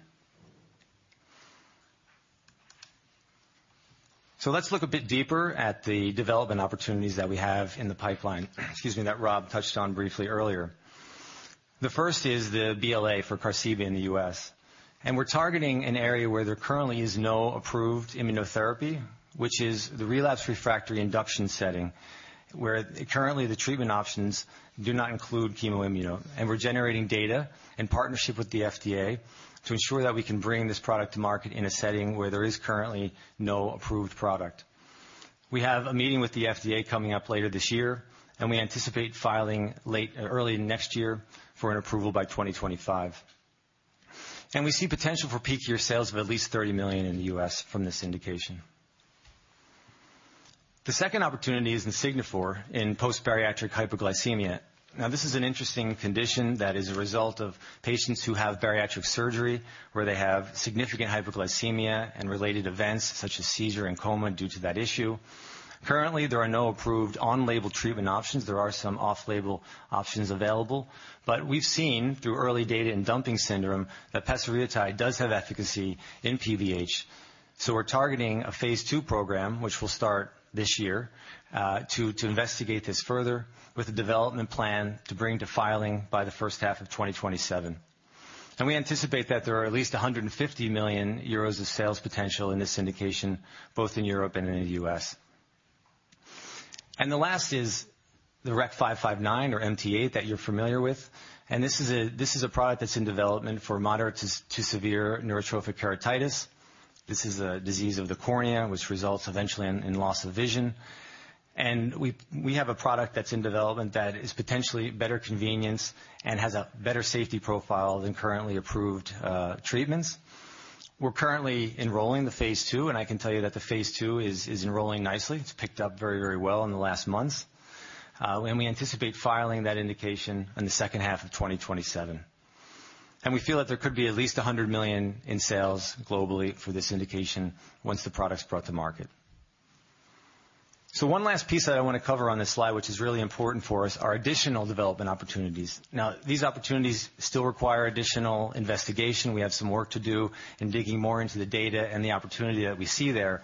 Let's look a bit deeper at the development opportunities that we have in the pipeline, excuse me, that Rob touched on briefly earlier. The first is the BLA for Qarziba in the U.S. We're targeting an area where there currently is no approved immunotherapy, which is the relapse refractory induction setting, where currently the treatment options do not include chemo-immuno. We're generating data in partnership with the FDA to ensure that we can bring this product to market in a setting where there is currently no approved product. We have a meeting with the FDA coming up later this year, and we anticipate filing early next year for an approval by 2025. We see potential for peak year sales of at least $30 million in the U.S. from this indication. The second opportunity is in Signifor in post-bariatric hypoglycemia. Now, this is an interesting condition that is a result of patients who have bariatric surgery, where they have significant hypoglycemia and related events such as seizure and coma due to that issue. Currently, there are no approved on-label treatment options. There are some off-label options available. We've seen through early data in dumping syndrome that pasireotide does have efficacy in PBH. We're targeting a phase 2 program, which will start this year, to investigate this further with a development plan to bring to filing by the first half of 2027. We anticipate that there are at least 150 million euros of sales potential in this indication, both in Europe and in the U.S. The last is the REC-559 or MT-8 that you're familiar with. This is a product that's in development for moderate to severe neurotrophic keratitis. This is a disease of the cornea, which results eventually in loss of vision. We have a product that's in development that is potentially better convenience and has a better safety profile than currently approved treatments. We're currently enrolling the phase II, and I can tell you that the phase II is enrolling nicely. It's picked up very well in the last months. We anticipate filing that indication in the second half of 2027. We feel that there could be at least 100 million in sales globally for this indication once the product's brought to market. One last piece that I wanna cover on this slide, which is really important for us, are additional development opportunities. Now, these opportunities still require additional investigation. We have some work to do in digging more into the data and the opportunity that we see there.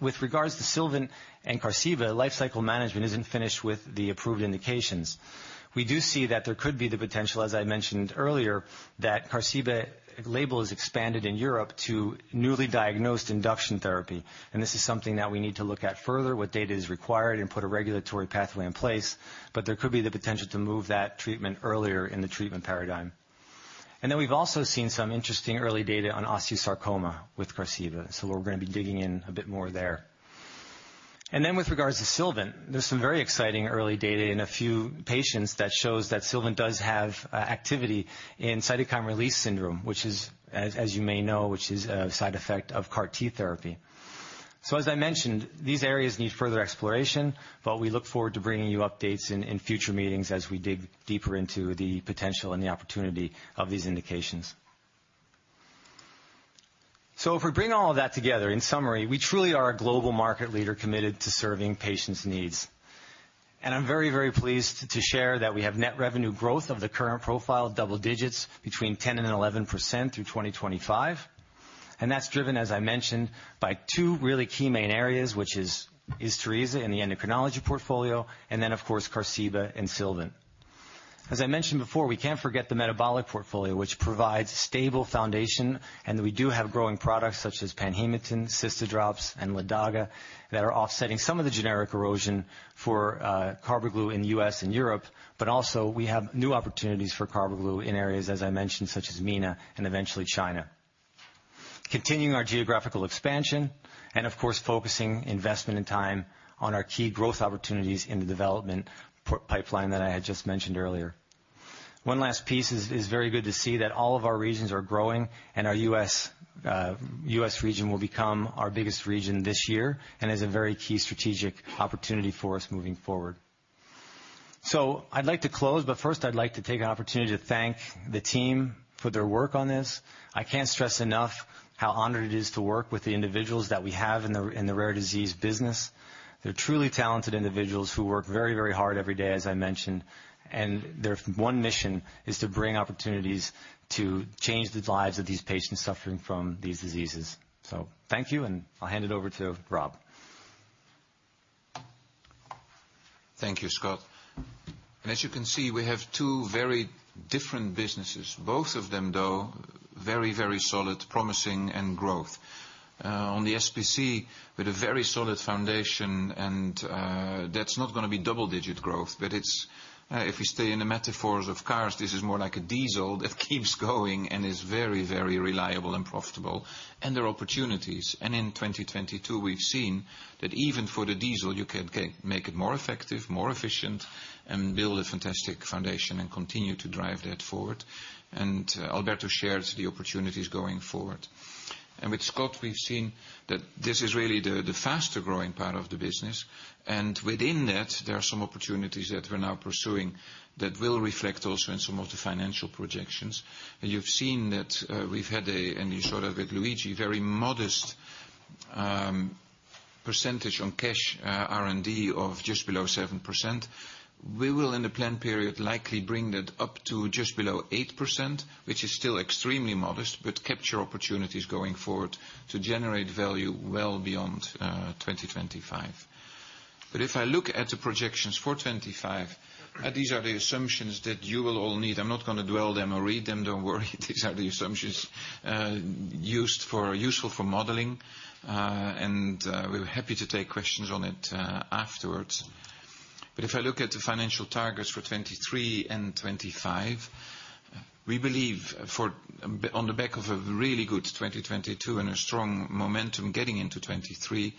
With regards to Sylvant and Qarziba, lifecycle management isn't finished with the approved indications. We do see that there could be the potential, as I mentioned earlier, that Qarziba label is expanded in Europe to newly diagnosed induction therapy. This is something that we need to look at further, what data is required, and put a regulatory pathway in place. There could be the potential to move that treatment earlier in the treatment paradigm. Then we've also seen some interesting early data on osteosarcoma with Qarziba, so we're gonna be digging in a bit more there. Then with regards to Sylvant, there's some very exciting early data in a few patients that shows that Sylvant does have activity in cytokine release syndrome, which is as you may know, which is a side effect of CAR T therapy. As I mentioned, these areas need further exploration, but we look forward to bringing you updates in future meetings as we dig deeper into the potential and the opportunity of these indications. If we bring all of that together, in summary, we truly are a global market leader committed to serving patients' needs. I'm very pleased to share that we have net revenue growth of the current profile, double digits between 10% and 11% through 2025. That's driven, as I mentioned, by two really key main areas, which is Isturisa in the endocrinology portfolio, and then of course Qarziba and Sylvant. As I mentioned before, we can't forget the metabolic portfolio, which provides stable foundation, and we do have growing products such as Panhematin, Cystadrops, and Ledaga that are offsetting some of the generic erosion for Carbaglu in the U.S. and Europe. Also we have new opportunities for Carbaglu in areas, as I mentioned, such as MENA and eventually China. Continuing our geographical expansion and of course focusing investment and time on our key growth opportunities in the development pipeline that I had just mentioned earlier. One last piece is very good to see that all of our regions are growing and our U.S. region will become our biggest region this year and is a very key strategic opportunity for us moving forward. I'd like to close, but first I'd like to take an opportunity to thank the team for their work on this. I can't stress enough how honored it is to work with the individuals that we have in the rare disease business. They're truly talented individuals who work very, very hard every day, as I mentioned, and their one mission is to bring opportunities to change the lives of these patients suffering from these diseases. So thank you, and I'll hand it over to Rob. Thank you, Scott. As you can see, we have two very different businesses. Both of them, though, very, very solid, promising, and growth. On the SPC, with a very solid foundation, that's not gonna be double-digit growth, but it's, if we stay in the metaphors of cars, this is more like a diesel that keeps going and is very, very reliable and profitable. There are opportunities. In 2022, we've seen that even for the diesel, you can make it more effective, more efficient, and build a fantastic foundation and continue to drive that forward. Alberto shared the opportunities going forward. With Scott, we've seen that this is really the faster-growing part of the business. Within that, there are some opportunities that we're now pursuing that will reflect also in some of the financial projections. You've seen that, we've had a, and you saw that with Luigi, very modest, percentage on cash, R&D of just below 7%. We will, in the plan period, likely bring that up to just below 8%, which is still extremely modest. Capture opportunities going forward to generate value well beyond, 2025. If I look at the projections for 2025, these are the assumptions that you will all need. I'm not gonna dwell them or read them, don't worry. These are the assumptions, useful for modeling, and, we're happy to take questions on it, afterwards. If I look at the financial targets for 2023 and 2025, we believe for, on the back of a really good 2022 and a strong momentum getting into 2023,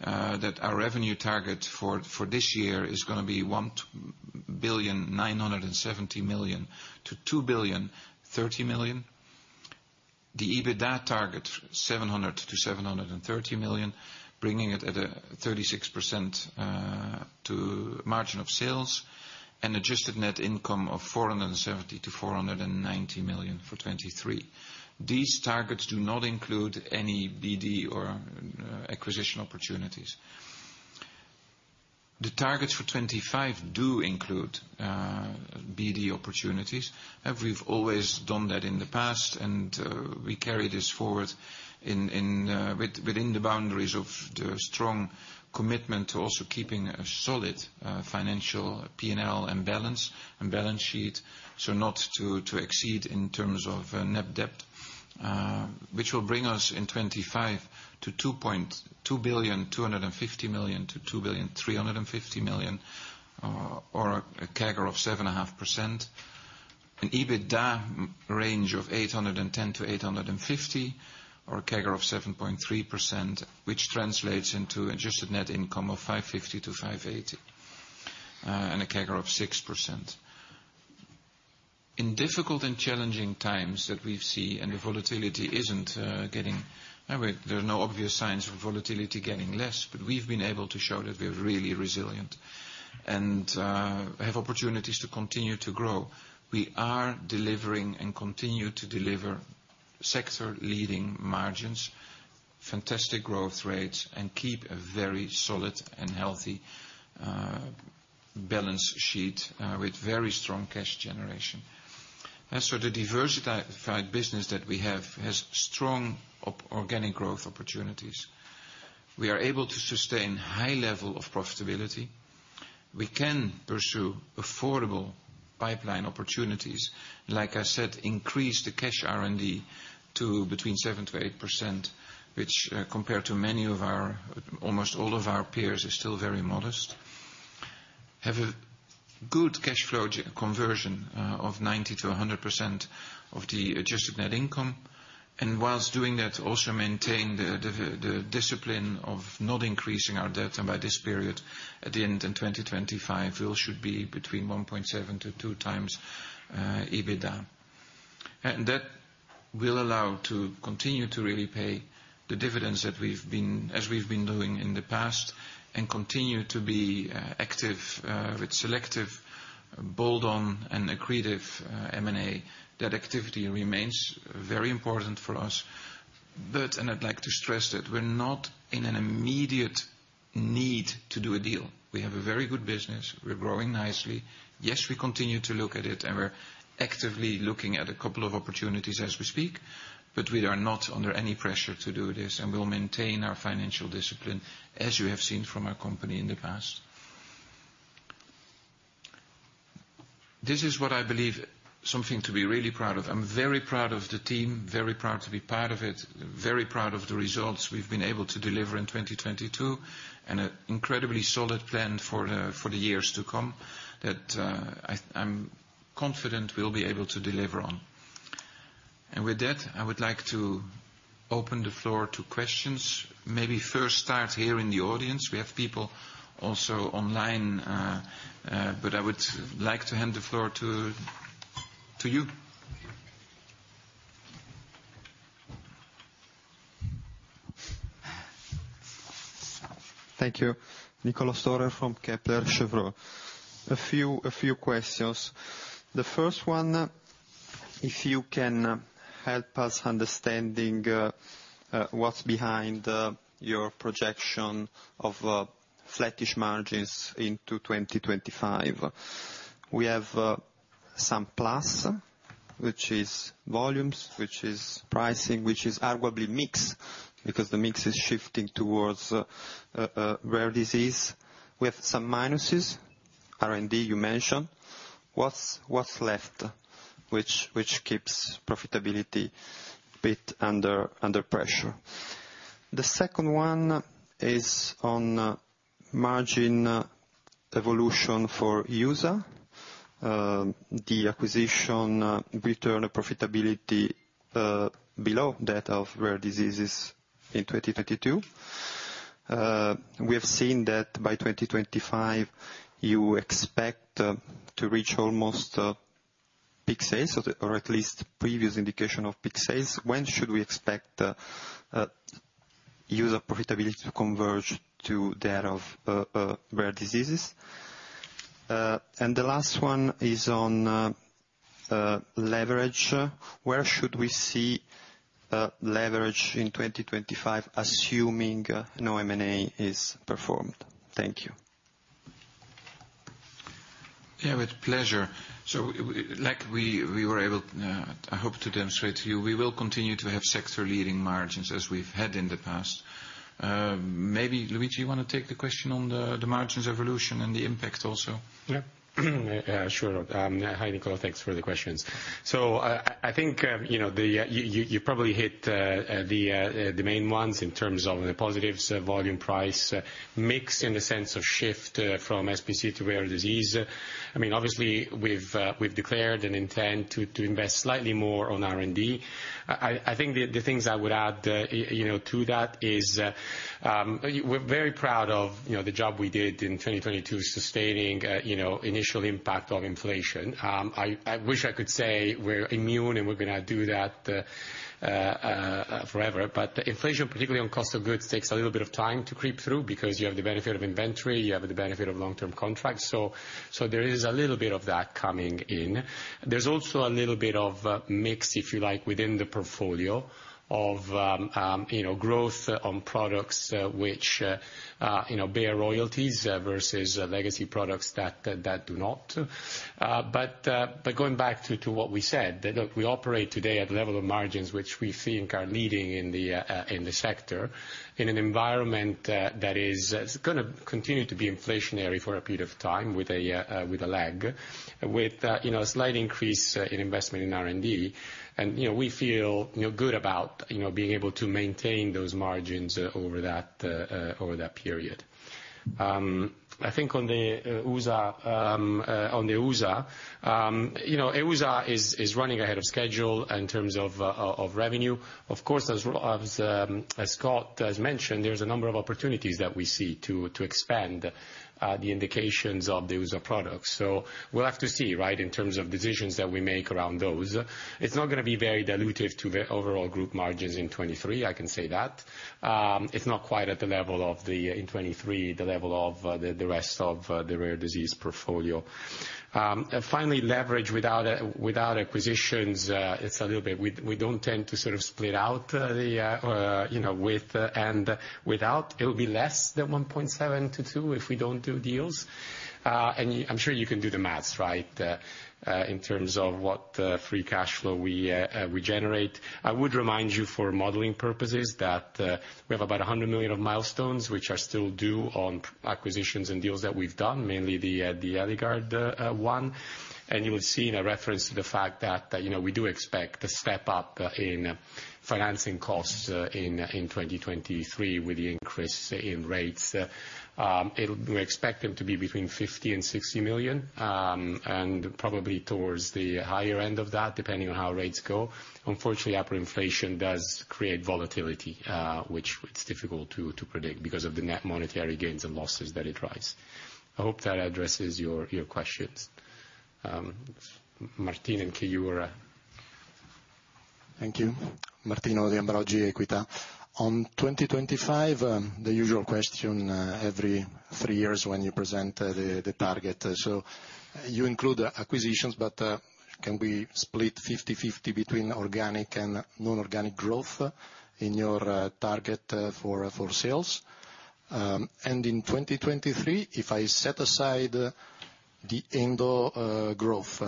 that our revenue target for this year is gonna be 1.97 billion-2.03 billion. The EBITDA target, 700 million-730 million, bringing it at a 36%, to margin of sales, and adjusted net income of 470 million-490 million for 2023. These targets do not include any BD or acquisition opportunities. The targets for 25 do include BD opportunities. We've always done that in the past. We carry this forward within the boundaries of the strong commitment to also keeping a solid financial P&L and balance sheet, not to exceed in terms of net debt, which will bring us in 25 to 2.25 billion-2.35 billion, or a CAGR of 7.5%. An EBITDA range of 810 million-850 million, or a CAGR of 7.3%, which translates into adjusted net income of 550 million-580 million. A CAGR of 6%. In difficult and challenging times that we see, the volatility isn't getting. There are no obvious signs of volatility getting less, but we've been able to show that we are really resilient and have opportunities to continue to grow. We are delivering, and continue to deliver, sector-leading margins, fantastic growth rates, and keep a very solid and healthy balance sheet with very strong cash generation. The diversified business that we have has strong organic growth opportunities. We are able to sustain high level of profitability. We can pursue affordable pipeline opportunities, like I said, increase the cash R&D to between 7%-8%, which, compared to many of our, almost all of our peers, is still very modest. Have a good cash flow conversion of 90%-100% of the adjusted net income, and whilst doing that, also maintain the discipline of not increasing our debt. By this period, at the end in 2025, we should be between 1.7-2x EBITDA. That will allow to continue to really pay the dividends that we've been, as we've been doing in the past, and continue to be active with selective build-on and accretive M&A. That activity remains very important for us, but, and I'd like to stress that we're not in an immediate need to do a deal. We have a very good business. We're growing nicely. Yes, we continue to look at it, and we're actively looking at a couple of opportunities as we speak, but we are not under any pressure to do this, and we'll maintain our financial discipline, as you have seen from our company in the past. This is what I believe something to be really proud of. I'm very proud of the team, very proud to be part of it, very proud of the results we've been able to deliver in 2022, and an incredibly solid plan for the years to come that I'm confident we'll be able to deliver on. With that, I would like to open the floor to questions. Maybe first start here in the audience. We have people also online, but I would like to hand the floor to you. Thank you. Niccolò Stolfi from Kepler Cheuvreux. A few questions. The first one, if you can help us understanding what's behind your projection of flattish margins into 2025. We have some plus, which is volumes, which is pricing, which is arguably mix, because the mix is shifting towards rare diseases. We have some minuses. R&D you mentioned. What's left which keeps profitability a bit under pressure? The second one is on margin evolution for EUSA. The acquisition return profitability below that of rare diseases in 2022. We have seen that by 2025 you expect to reach almost peak sales or at least previous indication of peak sales. When should we expect EUSA profitability to converge to that of rare diseases? The last one is on leverage. Where should we see leverage in 2025, assuming no M&A is performed? Thank you. Yeah, with pleasure. We were able, I hope to demonstrate to you, we will continue to have sector-leading margins as we've had in the past. Maybe, Luigi, you want to take the question on the margins evolution and the impact also? Yeah. Sure. Hi, Niccolò. Thanks for the questions. I think, you know, you probably hit the main ones in terms of the positives, volume, price, mix in the sense of shift from SPC to rare disease. I mean, obviously, we've declared an intent to invest slightly more on R&D. I think the things I would add, you know, to that is, we're very proud of, you know, the job we did in 2022 sustaining, you know, initial impact of inflation. I wish I could say we're immune and we're gonna do that forever. Inflation, particularly on cost of goods, takes a little bit of time to creep through because you have the benefit of inventory, you have the benefit of long-term contracts. There is a little bit of that coming in. There's also a little bit of a mix, if you like, within the portfolio of, you know, growth on products, which, you know, bear royalties versus legacy products that do not. Going back to what we said, that look, we operate today at level of margins which we think are leading in the sector, in an environment that is gonna continue to be inflationary for a period of time with a lag, with, you know, a slight increase in investment in R&D. You know, we feel, you know, good about, you know, being able to maintain those margins over that period. I think on the EUSA, you know, EUSA is running ahead of schedule in terms of revenue. Of course, as Scott has mentioned, there's a number of opportunities that we see to expand the indications of the EUSA products. We'll have to see, right, in terms of decisions that we make around those. It's not gonna be very dilutive to the overall group margins in 2023, I can say that. It's not quite at the level of the, in 2023, the level of the rest of the rare disease portfolio. Finally, leverage without acquisitions, it's a little bit. We don't tend to sort of split out the, or, you know, with and without. It would be less than 1.7-2x if we don't do deals. I'm sure you can do the math, right, in terms of what free cash flow we generate. I would remind you for modeling purposes that we have about 100 million of milestones, which are still due on acquisitions and deals that we've done, mainly the Eligard one. You would see in a reference to the fact that, you know, we do expect to step up in financing costs in 2023 with the increase in rates. We expect them to be between 50 million-60 million and probably towards the higher end of that, depending on how rates go. Unfortunately, upper inflation does create volatility, which it's difficult to predict because of the net monetary gains and losses that it drives. I hope that addresses your questions. Martino De Ambroggi. Thank you. Martino De Ambroggi, Equita. On 2025, the usual question every three years when you present the target. You include acquisitions, but can we split 50/50 between organic and non-organic growth in your target for sales? In 2023, if I set aside the Endo growth,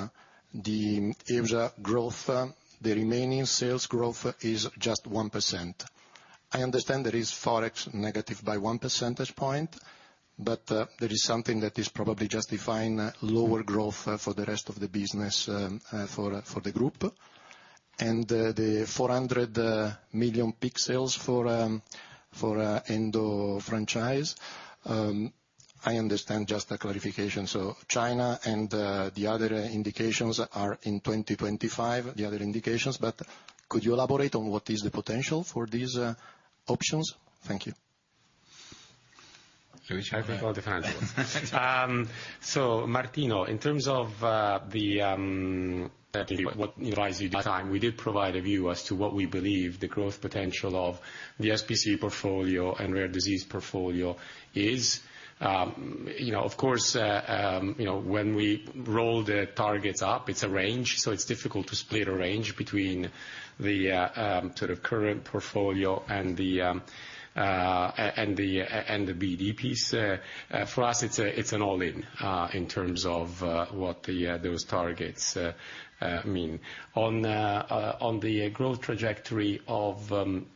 the EMS growth, the remaining sales growth is just 1%. I understand there is Forex negative by 1 percentage point, but there is something that is probably justifying lower growth for the rest of the business for the group. The 400 million peak sales for Endo franchise. I understand just the clarification. China and the other indications are in 2025. Could you elaborate on what is the potential for these options? Thank you. Luigi? I can call the financials. Martino, in terms of what drives you the time, we did provide a view as to what we believe the growth potential of the SPC portfolio and rare disease portfolio is. You know, of course, you know, when we roll the targets up, it's a range, so it's difficult to split a range between the sort of current portfolio and the BD piece. For us, it's an all-in in terms of what those targets mean. On the growth trajectory of, sorry,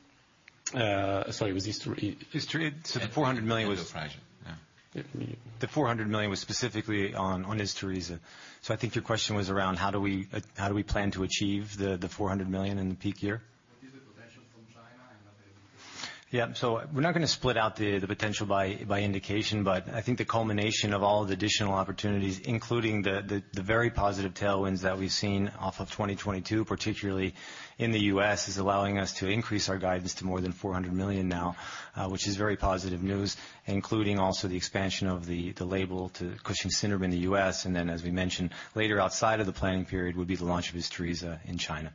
it was Isturisa. The 400 million was Endo franchise, yeah. The 400 million was specifically on Isturisa. I think your question was around how do we plan to achieve the 400 million in the peak year? What is the potential from China and other indications? Yeah. We're not gonna split out the potential by indication, but I think the culmination of all the additional opportunities, including the very positive tailwinds that we've seen off of 2022, particularly in the U.S., is allowing us to increase our guidance to more than 400 million now, which is very positive news, including also the expansion of the label to Cushing's syndrome in the U.S. As we mentioned later outside of the planning period would be the launch of Isturisa in China.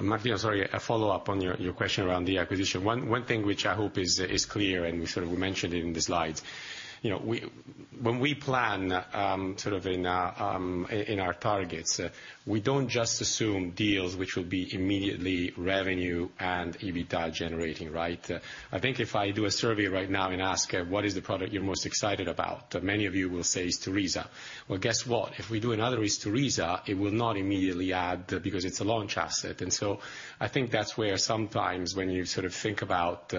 Martino, sorry, a follow-up on your question around the acquisition. One thing which I hope is clear, and we sort of mentioned it in the slides, you know, when we plan, sort of in our targets, we don't just assume deals which will be immediately revenue and EBITDA generating, right? I think if I do a survey right now and ask what is the product you're most excited about, many of you will say Isturisa. Well, guess what? If we do another Isturisa, it will not immediately add because it's a launch asset. I think that's where sometimes when you sort of think about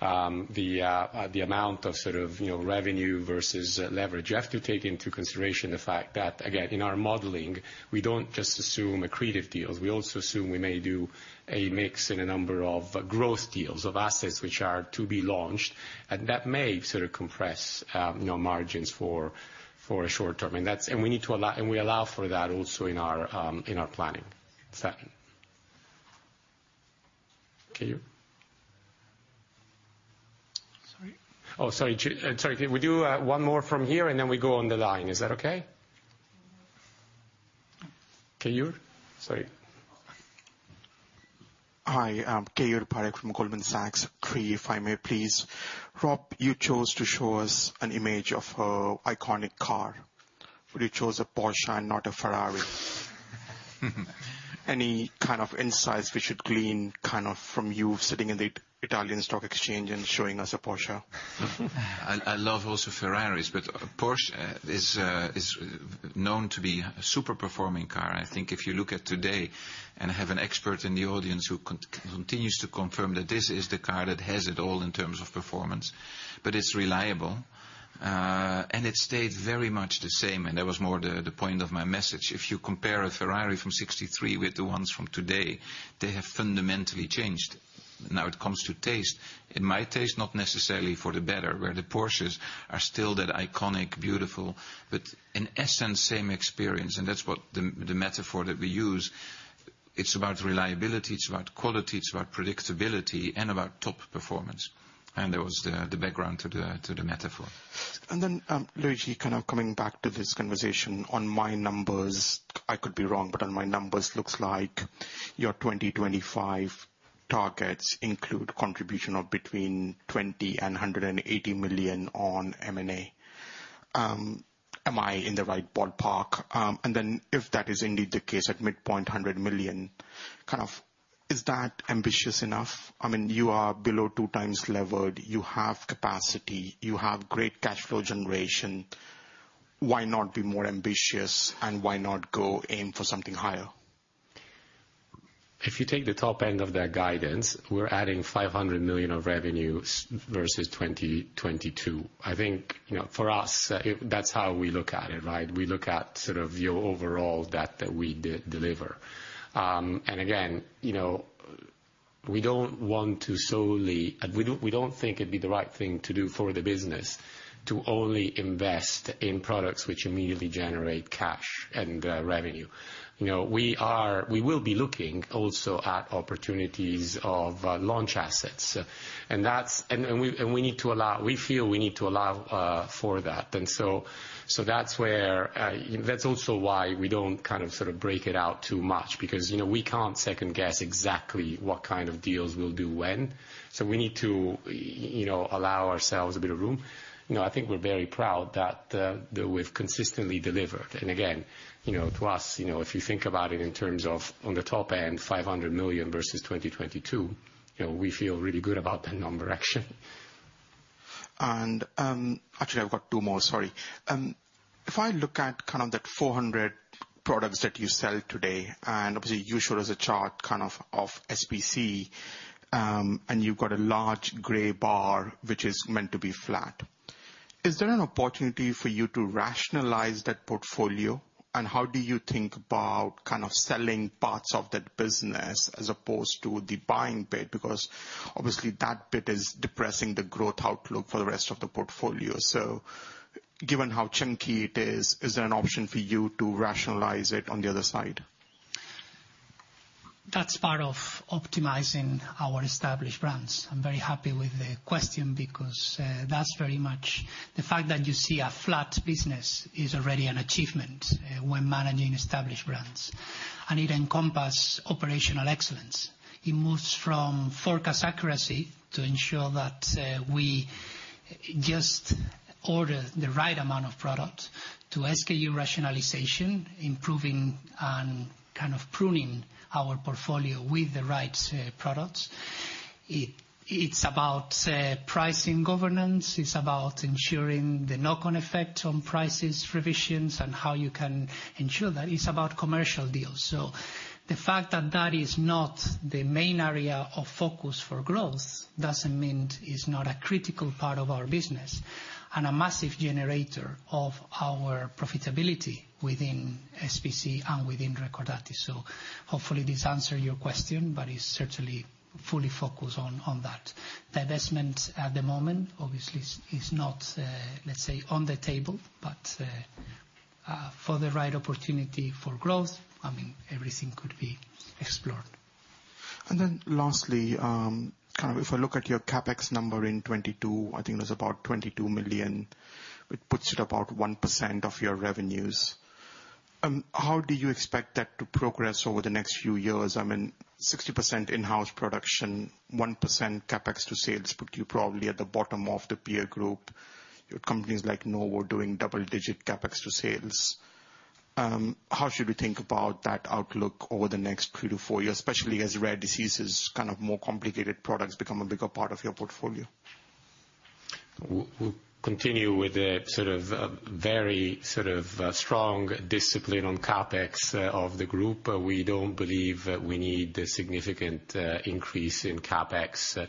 the amount of sort of, you know, revenue versus leverage, you have to take into consideration the fact that, again, in our modeling, we don't just assume accretive deals. We also assume we may do a mix in a number of growth deals of assets which are to be launched, and that may sort of compress, you know, margins for a short term. We need to allow, and we allow for that also in our, in our planning. It's that. Okay. Sorry. Oh, sorry. Sorry. Can we do one more from here, and then we go on the line. Is that okay? Keyur? Sorry. Hi. I'm Keyur Parekh from Goldman Sachs. Three, if I may please. Rob, you chose to show us an image of a iconic car. You chose a Porsche and not a Ferrari. Any kind of insights we should glean kind of from you sitting in the Italian Stock Exchange and showing us a Porsche? I love also Ferraris, but Porsche is known to be a super performing car. I think if you look at today, and I have an expert in the audience who continues to confirm that this is the car that has it all in terms of performance, but it's reliable. It stayed very much the same, and that was more the point of my message. If you compare a Ferrari from 63 with the ones from today, they have fundamentally changed. It comes to taste. In my taste, not necessarily for the better, where the Porsches are still that iconic, beautiful, but in essence, same experience. That's what the metaphor that we use. It's about reliability, it's about quality, it's about predictability, and about top performance. That was the background to the metaphor. Luigi, kind of coming back to this conversation. On my numbers, I could be wrong, but on my numbers looks like your 2025 targets include contribution of between 20 million and 180 million on M&A. Am I in the right ballpark? If that is indeed the case, at midpoint 100 million, kind of is that ambitious enough? I mean, you are below 2x levered. You have capacity. You have great cash flow generation. Why not be more ambitious, and why not go aim for something higher? If you take the top end of their guidance, we're adding 500 million of revenues versus 2022. I think, you know, for us, that's how we look at it, right? We look at sort of your overall that we de-deliver. Again, you know, we don't want to. We don't think it'd be the right thing to do for the business to only invest in products which immediately generate cash and revenue. You know, we will be looking also at opportunities of launch assets. That's and we, and we need to allow, we feel we need to allow for that. So that's where, that's also why we don't kind of, sort of break it out too much because, you know, we can't second-guess exactly what kind of deals we'll do when. We need to, you know, allow ourselves a bit of room. You know, I think we're very proud that we've consistently delivered. Again, you know, to us, you know, if you think about it in terms of on the top end, 500 million versus 2022, you know, we feel really good about that number actually. Actually I've got two more. Sorry. If I look at kind of that 400 products that you sell today, and obviously you showed us a chart kind of SPC, and you've got a large gray bar which is meant to be flat. Is there an opportunity for you to rationalize that portfolio? How do you think about kind of selling parts of that business as opposed to the buying bit? Because obviously that bit is depressing the growth outlook for the rest of the portfolio. Given how chunky it is there an option for you to rationalize it on the other side? That's part of optimizing our established brands. I'm very happy with the question because that's very much the fact that you see a flat business is already an achievement when managing established brands. It encompass operational excellence. It moves from forecast accuracy to ensure that we just order the right amount of product to SKU rationalization, improving and kind of pruning our portfolio with the right products. It's about pricing governance. It's about ensuring the knock-on effect on prices revisions and how you can ensure that. It's about commercial deals. The fact that that is not the main area of focus for growth doesn't mean it's not a critical part of our business and a massive generator of our profitability within SPC and within Recordati. Hopefully this answer your question, but it's certainly fully focused on that. Divestment at the moment obviously is not, let's say, on the table, but, for the right opportunity for growth, I mean, everything could be explored. Then lastly, kind of if I look at your CapEx number in 2022, I think it was about 22 million. It puts it about 1% of your revenues. How do you expect that to progress over the next few years? I mean, 60% in-house production, 1% CapEx to sales put you probably at the bottom of the peer group. Your companies like Novo doing double-digit CapEx to sales. How should we think about that outlook over the next three to four years, especially as rare diseases, kind of more complicated products become a bigger part of your portfolio? We'll continue with a sort of, very sort of, strong discipline on CapEx of the group. We don't believe that we need a significant increase in CapEx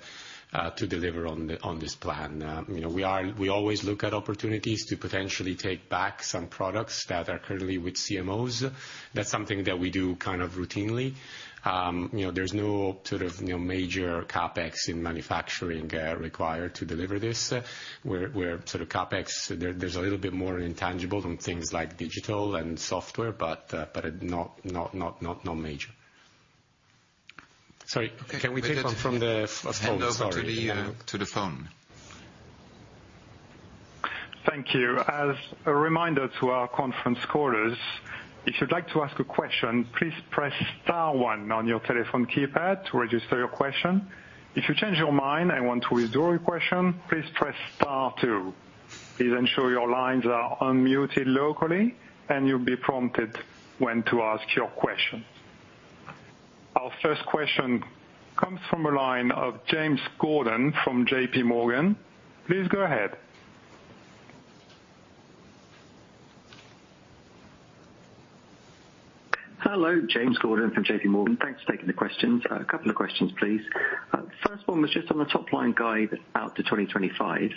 to deliver on this plan. You know, we always look at opportunities to potentially take back some products that are currently with CMOs. That's something that we do kind of routinely. You know, there's no sort of, you know, major CapEx in manufacturing required to deliver this. We're sort of CapEx, there's a little bit more intangible than things like digital and software, but not major. Sorry, can we take one from the phone? Sorry. Hand over to the to the phone. Thank you. As a reminder to our conference callers, if you'd like to ask a question, please press star one on your telephone keypad to register your question. If you change your mind and want to withdraw your question, please press star two. Please ensure your lines are unmuted locally and you'll be prompted when to ask your question. Our first question comes from a line of James Gordon from JPMorgan. Please go ahead. Hello. James Gordon from JP Morgan. Thanks for taking the questions. A couple of questions, please. First one was just on the top-line guide out to 2025.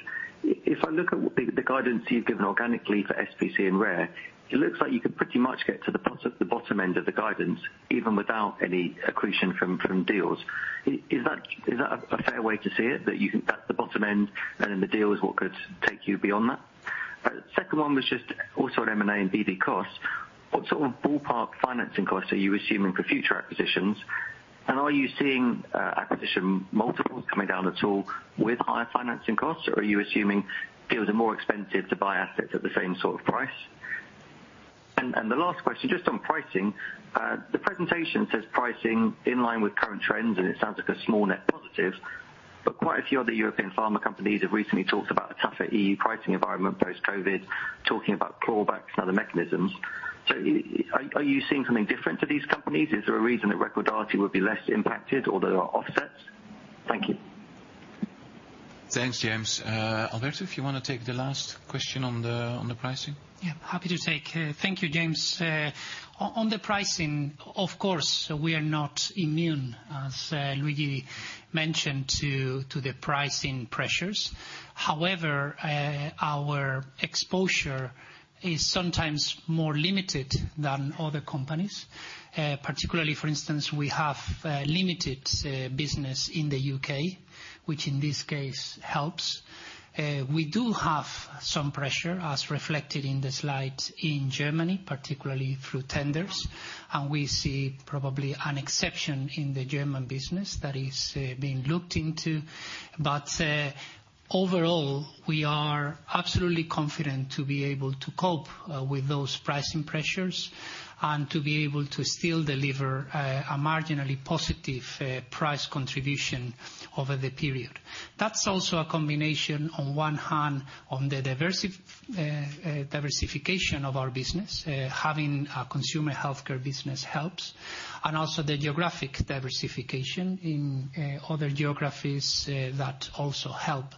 If I look at the guidance you've given organically for SPC and Rare, it looks like you could pretty much get to the bottom end of the guidance even without any accretion from deals. Is that a fair way to see it, that's the bottom end and then the deal is what could take you beyond that? Second one was just also on M&A and BB costs. What sort of ballpark financing costs are you assuming for future acquisitions? Are you seeing acquisition multiples coming down at all with higher financing costs, or are you assuming deals are more expensive to buy assets at the same sort of price? The last question, just on pricing. The presentation says pricing in line with current trends, and it sounds like a small net positive. Quite a few other European pharma companies have recently talked about a tougher E.U. pricing environment post-COVID, talking about clawbacks and other mechanisms. Are you seeing something different to these companies? Is there a reason that Recordati will be less impacted, or there are offsets? Thank you. Thanks, James. Alberto, if you wanna take the last question on the pricing. Yeah, happy to take. Thank you, James. On the pricing, of course, we are not immune, as Luigi mentioned, to the pricing pressures. However, our exposure is sometimes more limited than other companies. Particularly for instance, we have limited business in the U.K., which in this case helps. We do have some pressure, as reflected in the slides, in Germany, particularly through tenders. We see probably an exception in the German business that is being looked into. Overall, we are absolutely confident to be able to cope with those pricing pressures, and to be able to still deliver a marginally positive price contribution over the period. That's also a combination, on one hand, on the diversification of our business. Having a consumer healthcare business helps. Also the geographic diversification in other geographies that also help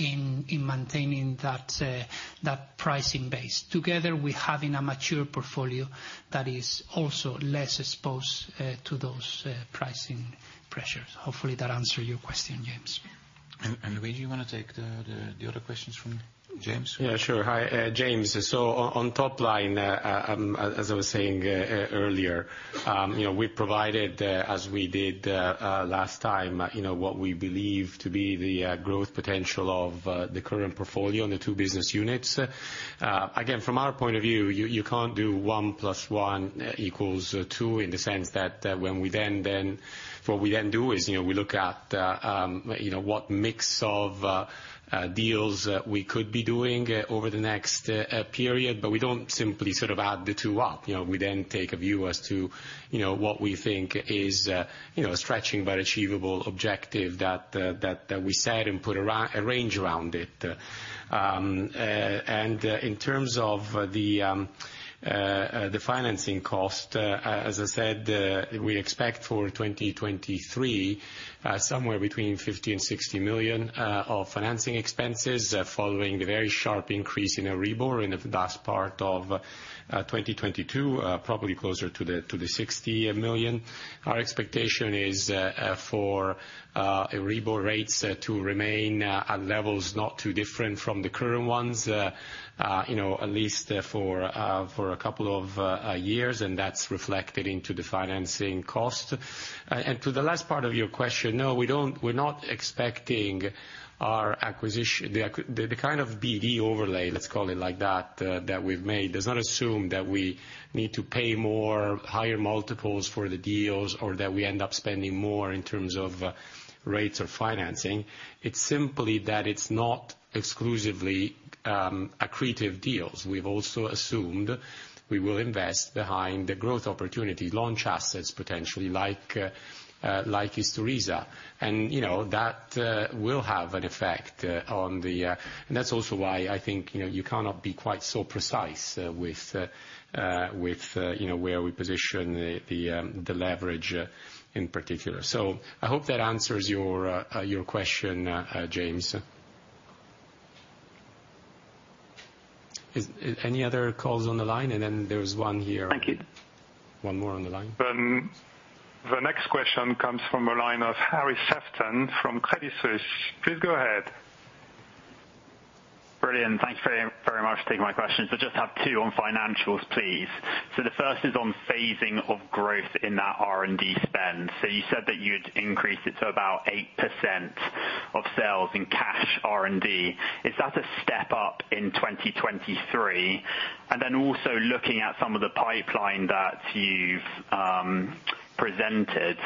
in maintaining that pricing base. Together with having a mature portfolio that is also less exposed to those pricing pressures. Hopefully that answer your question, James. Luigi, you wanna take the other questions from James? Yeah, sure. Hi, James. On top line, as I was saying earlier, you know, we provided, as we did last time, you know, what we believe to be the growth potential of the current portfolio in the two business units. Again, from our point of view, you can't do 1+1 = 2 in the sense that when we then. What we then do is, you know, we look at, you know, what mix of deals we could be doing over the next period. We don't simply sort of add the two up. You know, we then take a view as to, you know, what we think is, you know, a stretching but achievable objective that we set and put a range around it. In terms of the financing cost, as I said, we expect for 2023 somewhere between 50 million and 60 million of financing expenses following the very sharp increase in Euribor in the last part of 2022. Probably closer to the 60 million. Our expectation is for Euribor rates to remain at levels not too different from the current ones, you know, at least for a couple of years, and that's reflected into the financing cost. To the last part of your question, no, we don't, we're not expecting our the kind of BD overlay, let's call it like that we've made, does not assume that we need to pay more higher multiples for the deals or that we end up spending more in terms of rates or financing. It's simply that it's not exclusively accretive deals. We've also assumed we will invest behind the growth opportunity, launch assets potentially like Isturisa. You know, that will have an effect on the. That's also why I think, you know, you cannot be quite so precise with, you know, where we position the, the leverage in particular. I hope that answers your question, James. Is any other calls on the line? Then there's one here. Thank you. One more on the line. The next question comes from a line of Harry Sephton from Credit Suisse. Please go ahead. Brilliant. Thank you very, very much for taking my questions. I just have 2 on financials, please. The first is on phasing of growth in that R&D spend. You said that you'd increase it to about 8% of sales in cash R&D. Is that a step up in 2023? Also looking at some of the pipeline that you've presented,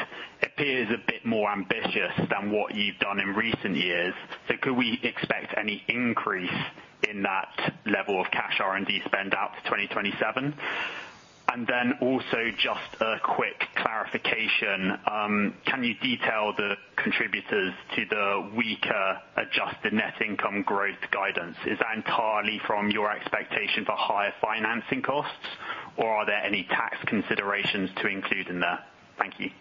appears a bit more ambitious than what you've done in recent years. Could we expect any increase in that level of cash R&D spend out to 2027? Just a quick clarification. Can you detail the contributors to the weaker adjusted net income growth guidance? Is that entirely from your expectation for higher financing costs, or are there any tax considerations to include in that? Thank you.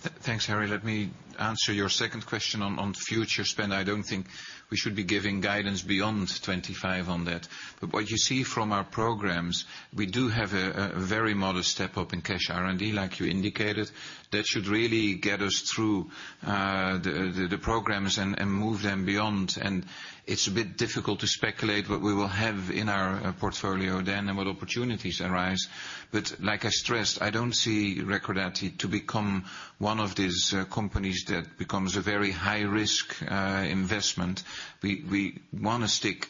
Thanks, Harry. Let me answer your second question on future spend. I don't think we should be giving guidance beyond 25 on that. What you see from our programs, we do have a very modest step up in cash R&D, like you indicated. That should really get us through the programs and move them beyond. It's a bit difficult to speculate what we will have in our portfolio then and what opportunities arise. Like I stressed, I don't see Recordati to become one of these companies that becomes a very high-risk investment. We wanna stick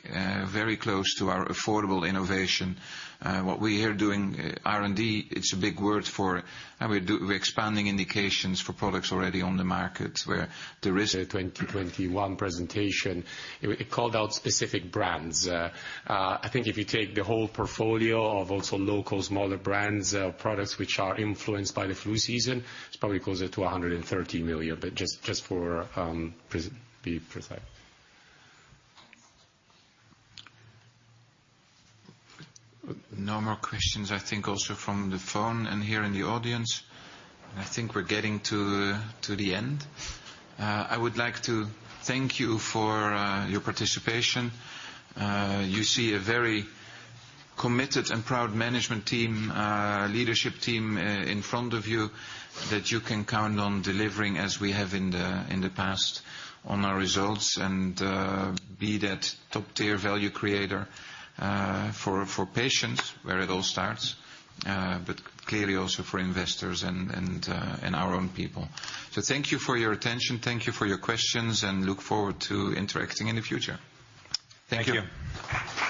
very close to our affordable innovation. What we are doing R&D, it's a big word for how we do. We're expanding indications for products already on the market where there is. The 2021 presentation, it called out specific brands. I think if you take the whole portfolio of also local smaller brands, products which are influenced by the flu season, it's probably closer to 130 million, but just for Be precise. No more questions, I think also from the phone and here in the audience. I think we're getting to the end. I would like to thank you for your participation. You see a very committed and proud management team, leadership team, in front of you that you can count on delivering as we have in the past on our results, and be that top-tier value creator for patients, where it all starts, but clearly also for investors and our own people. Thank you for your attention, thank you for your questions, and look forward to interacting in the future. Thank you. Thank you. Okay.